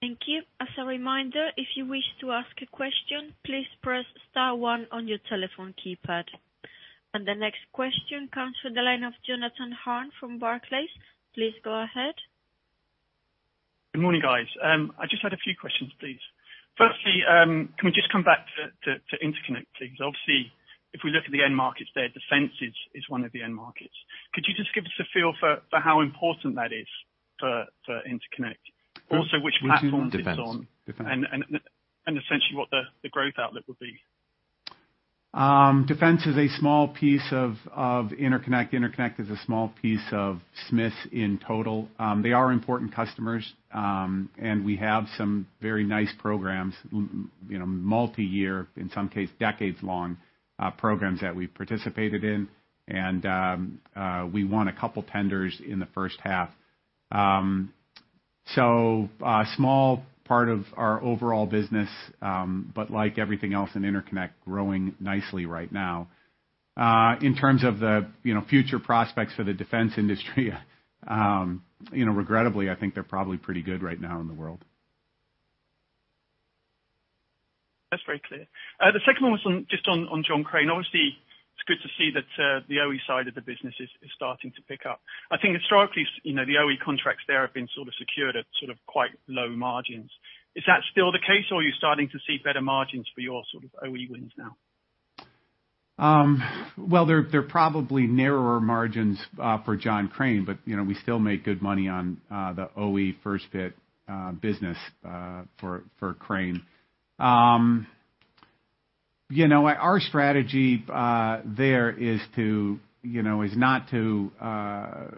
Thank you. As a reminder, if you wish to ask a question, please press star one on your telephone keypad. The next question comes from the line of Jonathan Hurn from Barclays. Please go ahead. Good morning, guys. I just had a few questions, please. Firstly, can we just come back to Interconnect please? Obviously, if we look at the end markets there, defense is one of the end markets. Could you just give us a feel for how important that is for Interconnect? Also, which platforms it's on. Defense. Essentially what the growth outlet would be. Defense is a small piece of Interconnect. Interconnect is a small piece of Smiths in total. They are important customers, and we have some very nice programs, you know, multi-year, in some case, decades-long, programs that we participated in. We won a couple tenders in the first half. A small part of our overall business, but like everything else in Interconnect, growing nicely right now. In terms of the, you know, future prospects for the defense industry, you know, regrettably, I think they're probably pretty good right now in the world. That's very clear. The second one was just on John Crane. Obviously, it's good to see that the OE side of the business is starting to pick up. I think historically, you know, the OE contracts there have been sort of secured at sort of quite low margins. Is that still the case, or are you starting to see better margins for your sort of OE wins now? Well, they're probably narrower margins for John Crane, but you know, we still make good money on the OE first fit business for Crane. You know, our strategy there is not to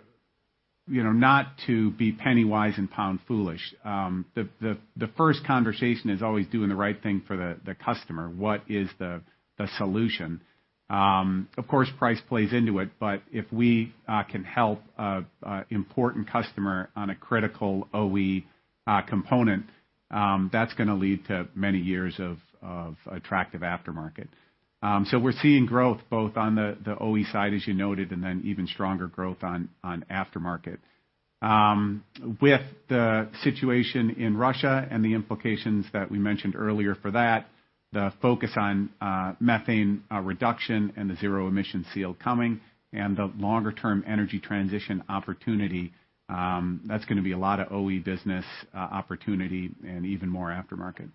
be penny wise and pound foolish. The first conversation is always doing the right thing for the customer. What is the solution? Of course, price plays into it, but if we can help an important customer on a critical OE component, that's gonna lead to many years of attractive aftermarket. We're seeing growth both on the OE side, as you noted, and then even stronger growth on aftermarket. With the situation in Russia and the implications that we mentioned earlier for that, the focus on methane reduction and the zero emission seal coming and the longer-term energy transition opportunity, that's gonna be a lot of OE business opportunity and even more aftermarket.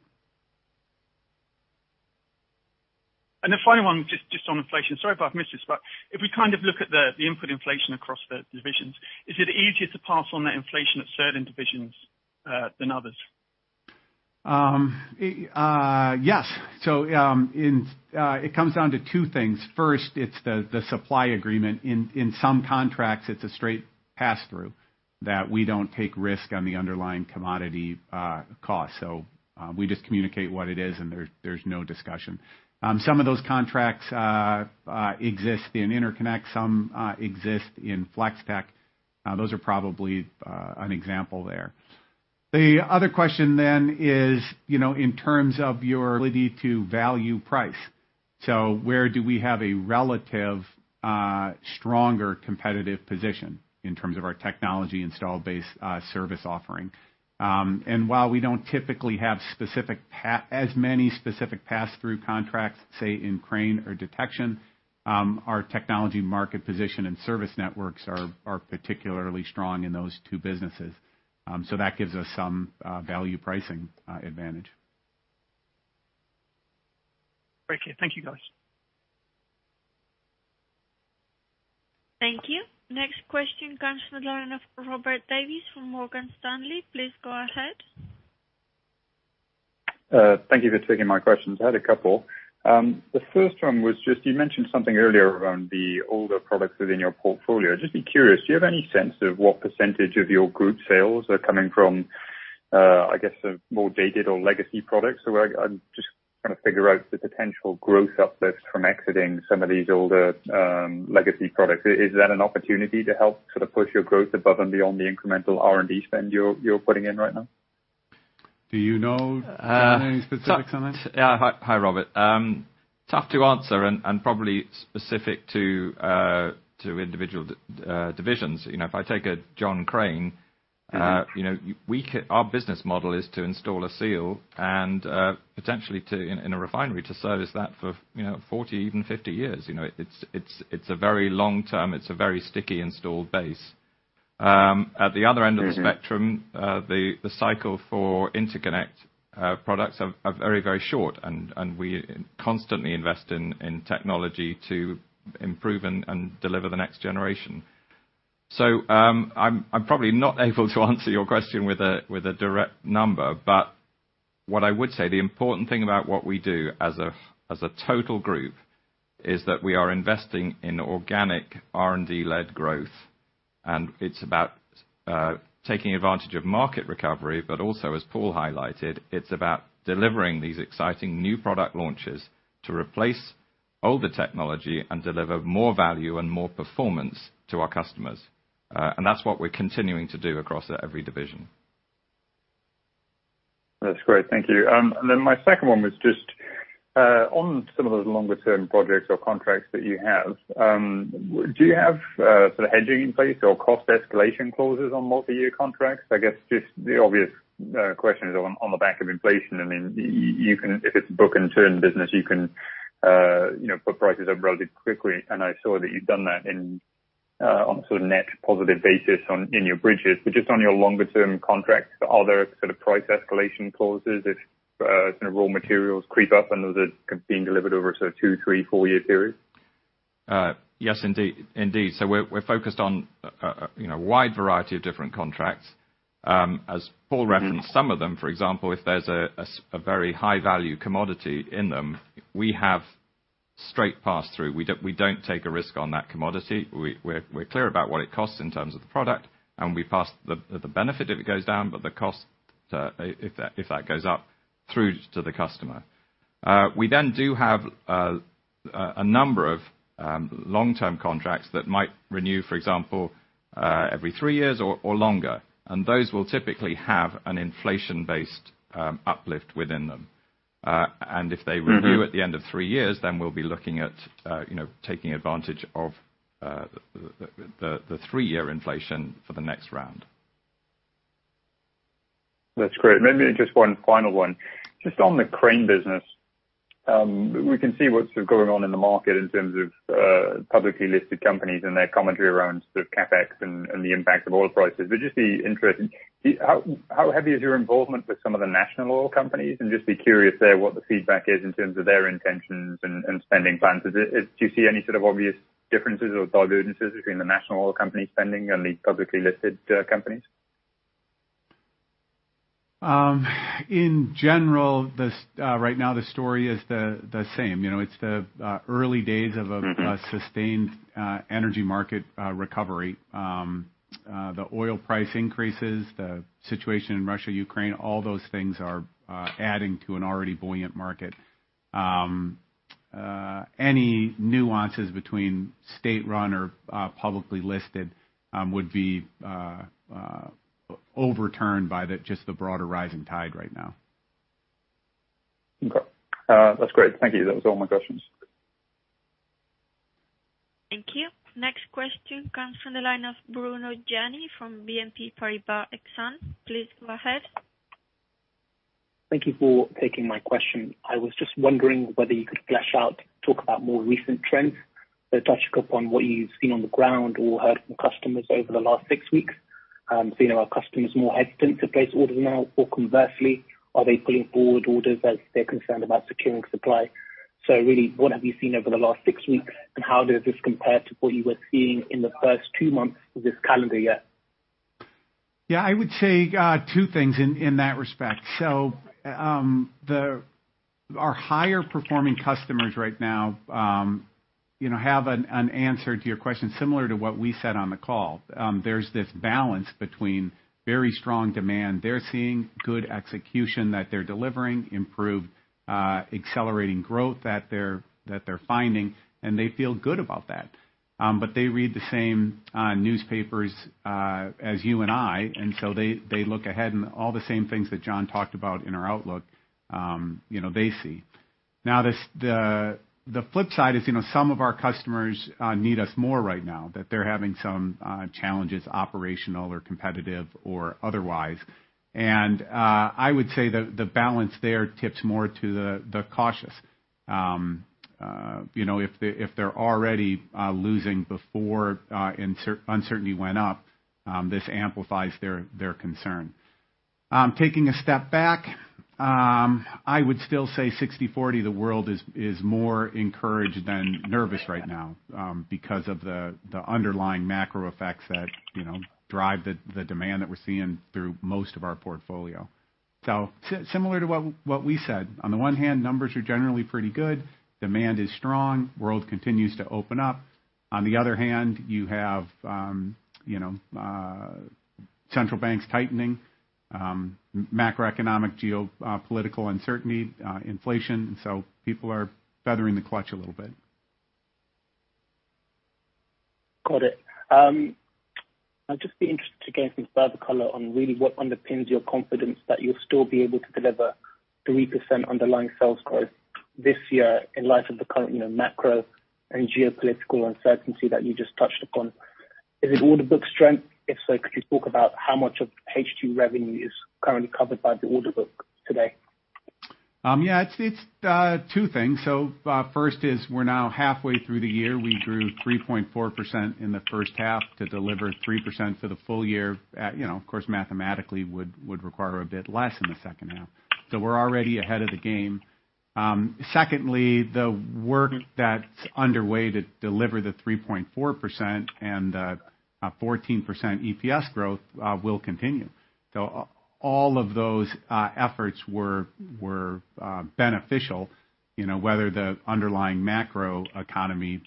The final one, just on inflation. Sorry if I've missed this, but if we kind of look at the input inflation across the divisions, is it easier to pass on that inflation at certain divisions than others? Yes. It comes down to two things. First, it's the supply agreement. In some contracts, it's a straight pass-through that we don't take risk on the underlying commodity cost. We just communicate what it is and there's no discussion. Some of those contracts exist in Interconnect, some exist in Flex-Tek. Those are probably an example there. The other question is, you know, in terms of your ability to pass price, where do we have a relative stronger competitive position in terms of our technology installed base, service offering? While we don't typically have as many specific pass-through contracts, say in Crane or Detection, our technology market position and service networks are particularly strong in those two businesses. That gives us some value pricing advantage. Great. Thank you guys. Thank you. Next question comes from the line of Robert Davies from Morgan Stanley. Please go ahead. Thank you for taking my questions. I had a couple. The first one was just you mentioned something earlier around the older products within your portfolio. Just be curious, do you have any sense of what percentage of your group sales are coming from, I guess, the more dated or legacy products? I'm just trying to figure out the potential growth uplift from exiting some of these older, legacy products. Is that an opportunity to help sort of push your growth above and beyond the incremental R&D spend you're putting in right now? Do you know any specifics on that? Yeah. Hi, Robert. Tough to answer and probably specific to individual divisions. You know, if I take a John Crane, you know, our business model is to install a seal and potentially to in a refinery to service that for, you know, 40, even 50 years. You know, it's a very long-term, it's a very sticky installed base. At the other end of the spectrum, the cycle for Interconnect products are very short and we constantly invest in technology to improve and deliver the next generation. I'm probably not able to answer your question with a direct number, but what I would say, the important thing about what we do as a total group is that we are investing in organic R&D-led growth, and it's about taking advantage of market recovery, but also, as Paul highlighted, it's about delivering these exciting new product launches to replace older technology and deliver more value and more performance to our customers. That's what we're continuing to do across every division. That's great. Thank you. My second one was just on some of those longer term projects or contracts that you have, do you have sort of hedging in place or cost escalation clauses on multi-year contracts? I guess just the obvious question is on the back of inflation. I mean, if it's book and turn business, you can you know put prices up relatively quickly, and I saw that you've done that on a net positive basis, as in your bridges. Just on your longer term contracts, are there sort of price escalation clauses if sort of raw materials creep up and those are being delivered over sort of two, three, four-year periods? Yes, indeed. We're focused on, you know, wide variety of different contracts. As Paul referenced some of them, for example, if there's a very high value commodity in them, we have straight pass-through. We don't take a risk on that commodity. We're clear about what it costs in terms of the product, and we pass the benefit if it goes down, but the cost, if that goes up, through to the customer. We then do have a number of long-term contracts that might renew, for example, every three years or longer, and those will typically have an inflation-based uplift within them. If they renew at the end of three years, then we'll be looking at, you know, taking advantage of the three-year inflation for the next round. That's great. Maybe just one final one. Just on the Crane business, we can see what's going on in the market in terms of publicly listed companies and their commentary around sort of CapEx and the impact of oil prices. Just be interested, how heavy is your involvement with some of the national oil companies? And just be curious there what the feedback is in terms of their intentions and spending plans. Do you see any sort of obvious differences or divergences between the national oil company spending and the publicly listed companies? In general, right now the story is the same. You know, it's the early days of Mm-hmm. A sustained energy market recovery. The oil price increases, the situation in Russia, Ukraine, all those things are adding to an already buoyant market. Any nuances between state-run or publicly listed would be overturned by just the broader rising tide right now. Okay. That's great. Thank you. That was all my questions. Thank you. Next question comes from the line of Bruno Jenny from BNP Paribas Exane. Please go ahead. Thank you for taking my question. I was just wondering whether you could flesh out, talk about more recent trends that touch upon what you've seen on the ground or heard from customers over the last six weeks. You know, are customers more hesitant to place orders now? Or conversely, are they pulling forward orders as they're concerned about securing supply? Really, what have you seen over the last six weeks, and how does this compare to what you were seeing in the first two months of this calendar year? Yeah, I would say two things in that respect. Our higher performing customers right now, you know, have an answer to your question, similar to what we said on the call. There's this balance between very strong demand they're seeing, good execution that they're delivering, improved accelerating growth that they're finding, and they feel good about that. But they read the same newspapers as you and I, and so they look ahead and all the same things that John talked about in our outlook, you know, they see. Now, the flip side is, you know, some of our customers need us more right now, that they're having some challenges, operational or competitive or otherwise. I would say the balance there tips more to the cautious. You know, if they're already losing before uncertainty went up, this amplifies their concern. Taking a step back, I would still say 60/40, the world is more encouraged than nervous right now, because of the underlying macro effects that you know drive the demand that we're seeing through most of our portfolio. Similar to what we said, on the one hand, numbers are generally pretty good. Demand is strong. World continues to open up. On the other hand, you have you know central banks tightening, macroeconomic geopolitical uncertainty, inflation, so people are feathering the clutch a little bit. Got it. I'd just be interested to get some further color on really what underpins your confidence that you'll still be able to deliver 3% underlying sales growth this year in light of the current, you know, macro and geopolitical uncertainty that you just touched upon. Is it order book strength? If so, could you talk about how much of H2 revenue is currently covered by the order book today? Yeah. It's two things. First, we're now halfway through the year. We grew 3.4% in the first half to deliver 3% for the full year. You know, of course, mathematically would require a bit less in the second half. We're already ahead of the game. Secondly, the work that's underway to deliver the 3.4% and 14% EPS growth will continue. All of those efforts were beneficial, you know, whether the underlying macro economy,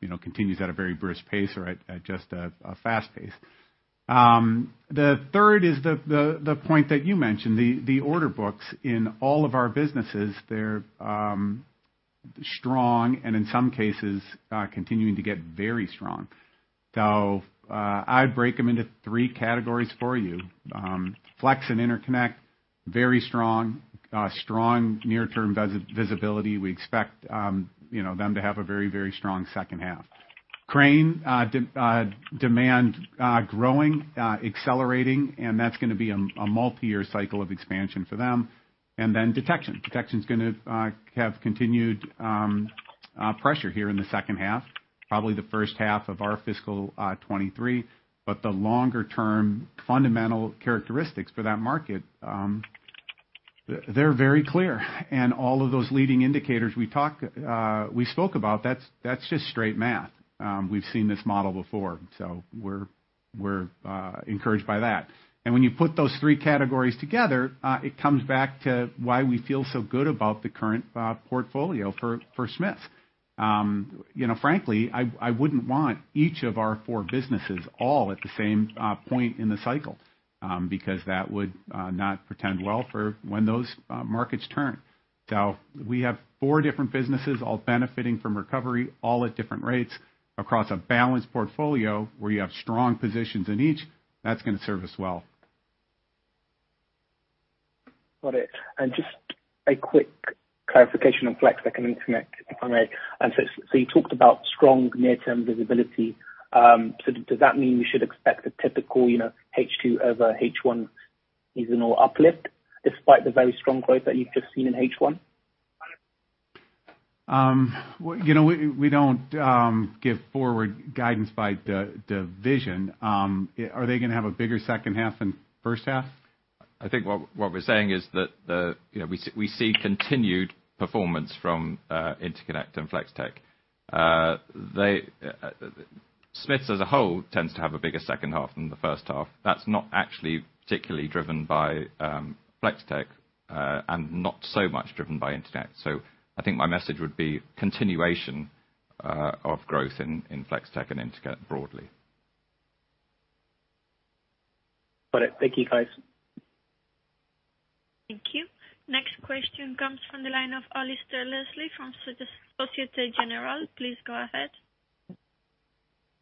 you know, continues at a very brisk pace or at just a fast pace. The third is the point that you mentioned, the order books in all of our businesses. They're strong, and in some cases continuing to get very strong. I'd break them into three categories for you. Flex and interconnect, very strong. Strong near-term visibility. We expect, you know, them to have a very, very strong second half. Crane, demand growing, accelerating, and that's gonna be a multi-year cycle of expansion for them. Then detection. Detection's gonna have continued pressure here in the second half, probably the first half of our fiscal 2023. But the longer term fundamental characteristics for that market, they're very clear. All of those leading indicators we spoke about, that's just straight math. We've seen this model before, so we're encouraged by that. When you put those three categories together, it comes back to why we feel so good about the current portfolio for Smiths. You know, frankly, I wouldn't want each of our four businesses all at the same point in the cycle, because that would not portend well for when those markets turn. We have four different businesses all benefiting from recovery, all at different rates across a balanced portfolio where you have strong positions in each. That's gonna serve us well. Got it. Just a quick clarification on Flex-Tek and Interconnect, if I may. So you talked about strong near-term visibility. Does that mean we should expect a typical, you know, H2 over H1 seasonal uplift despite the very strong growth that you've just seen in H1? Well, you know, we don't give forward guidance by division. Are they gonna have a bigger second half than first half? I think what we're saying is that you know, we see continued performance from Interconnect and Flex-Tek. They, Smiths as a whole tends to have a bigger second half than the first half. That's not actually particularly driven by Flex-Tek and not so much driven by Interconnect. I think my message would be continuation of growth in Flex-Tek and Interconnect broadly. Got it. Thank you, guys. Thank you. Next question comes from the line of Alasdair Leslie from Société Générale. Please go ahead.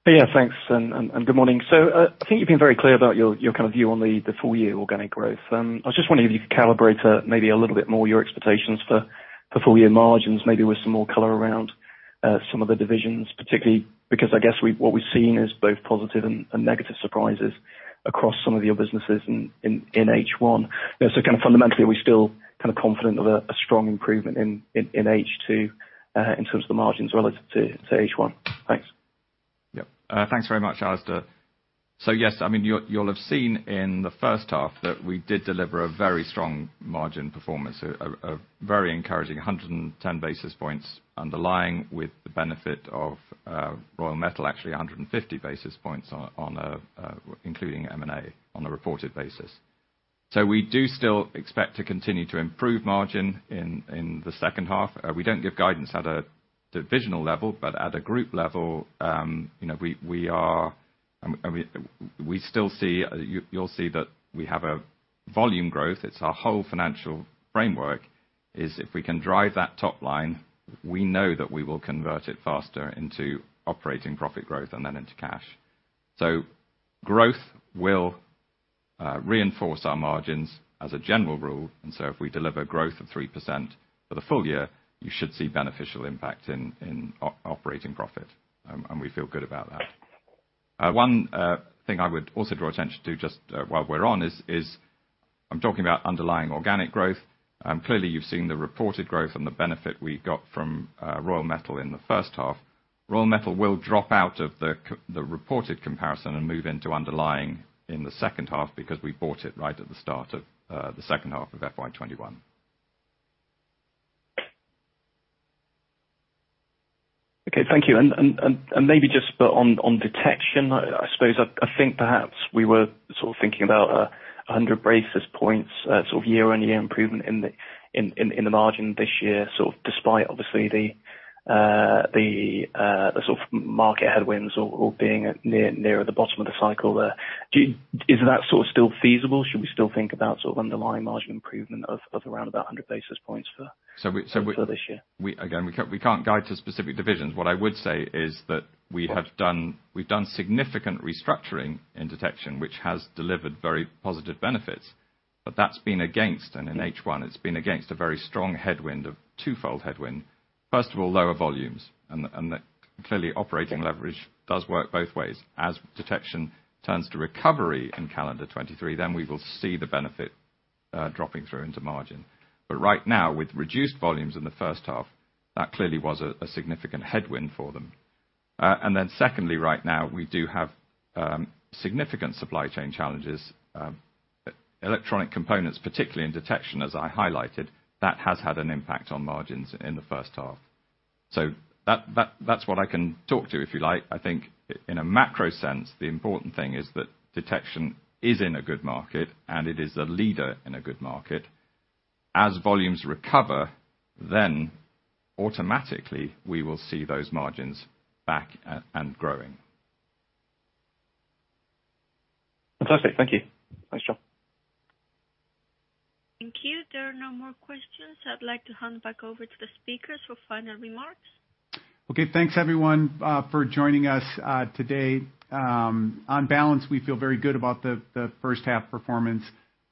Yeah, thanks and good morning. I think you've been very clear about your kind of view on the full year organic growth. I was just wondering if you could calibrate maybe a little bit more your expectations for full year margins, Maybe with some more color around some of the divisions, particularly because I guess what we've seen is both positive and negative surprises across some of your businesses in H1. You know, kind of fundamentally, are we still kind of confident of a strong improvement in H2 in terms of the margins relative to H1? Thanks. Yep. Thanks very much, Alasdair. Yes, I mean, you'll have seen in the first half that we did deliver a very strong margin performance, a very encouraging 110 basis points underlying with the benefit of Royal Metal, actually 150 basis points including M&A on a reported basis. We do still expect to continue to improve margin in the second half. We don't give guidance at a divisional level, but at a group level, you know, we are. I mean, we still see. You'll see that we have a volume growth. It's our whole financial framework, is if we can drive that top line, we know that we will convert it faster into operating profit growth and then into cash. Growth will reinforce our margins as a general rule, and if we deliver growth of 3% for the full year, you should see beneficial impact in operating profit, and we feel good about that. One thing I would also draw attention to just while we're on is I'm talking about underlying organic growth. Clearly you've seen the reported growth and the benefit we got from Royal Metal in the first half. Royal Metal will drop out of the reported comparison and move into underlying in the second half because we bought it right at the start of the second half of FY 2021. Okay, thank you. Maybe just on detection, I suppose I think perhaps we were sort of thinking about 100 basis points sort of year-on-year improvement in the margin this year, sort of despite obviously the sort of market headwinds or being near the bottom of the cycle there. Is that sort of still feasible? Should we still think about sort of underlying margin improvement of around about 100 basis points for- We for this year? Again, we can't guide to specific divisions. What I would say is that we've done significant restructuring in detection, which has delivered very positive benefits. That's been against a very strong headwind in H1 of twofold headwind. First of all, lower volumes. Clearly operating leverage does work both ways. As detection turns to recovery in calendar 2023, then we will see the benefit dropping through into margin. But right now, with reduced volumes in the first half, that clearly was a significant headwind for them. And then secondly, right now we do have significant supply chain challenges, electronic components, particularly in detection, as I highlighted, that has had an impact on margins in the first half. That's what I can talk to you if you like. I think in a macro sense, the important thing is that detection is in a good market and it is a leader in a good market. As volumes recover, then automatically we will see those margins back and growing. Fantastic. Thank you. Thanks, John. Thank you. There are no more questions. I'd like to hand back over to the speakers for final remarks. Okay. Thanks everyone for joining us today. On balance, we feel very good about the first half performance.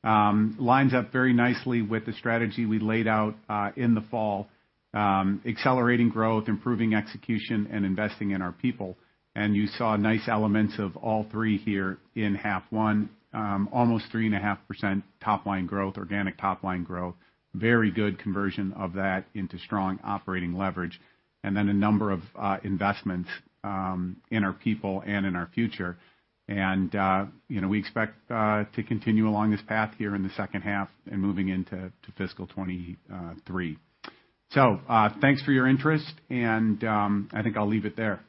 Lines up very nicely with the strategy we laid out in the fall. Accelerating growth, improving execution, and investing in our people. You saw nice elements of all three here in half one. Almost 3.5% top line growth, organic top line growth. Very good conversion of that into strong operating leverage. Then a number of investments in our people and in our future. You know, we expect to continue along this path here in the second half and moving into fiscal 2023. Thanks for your interest and I think I'll leave it there.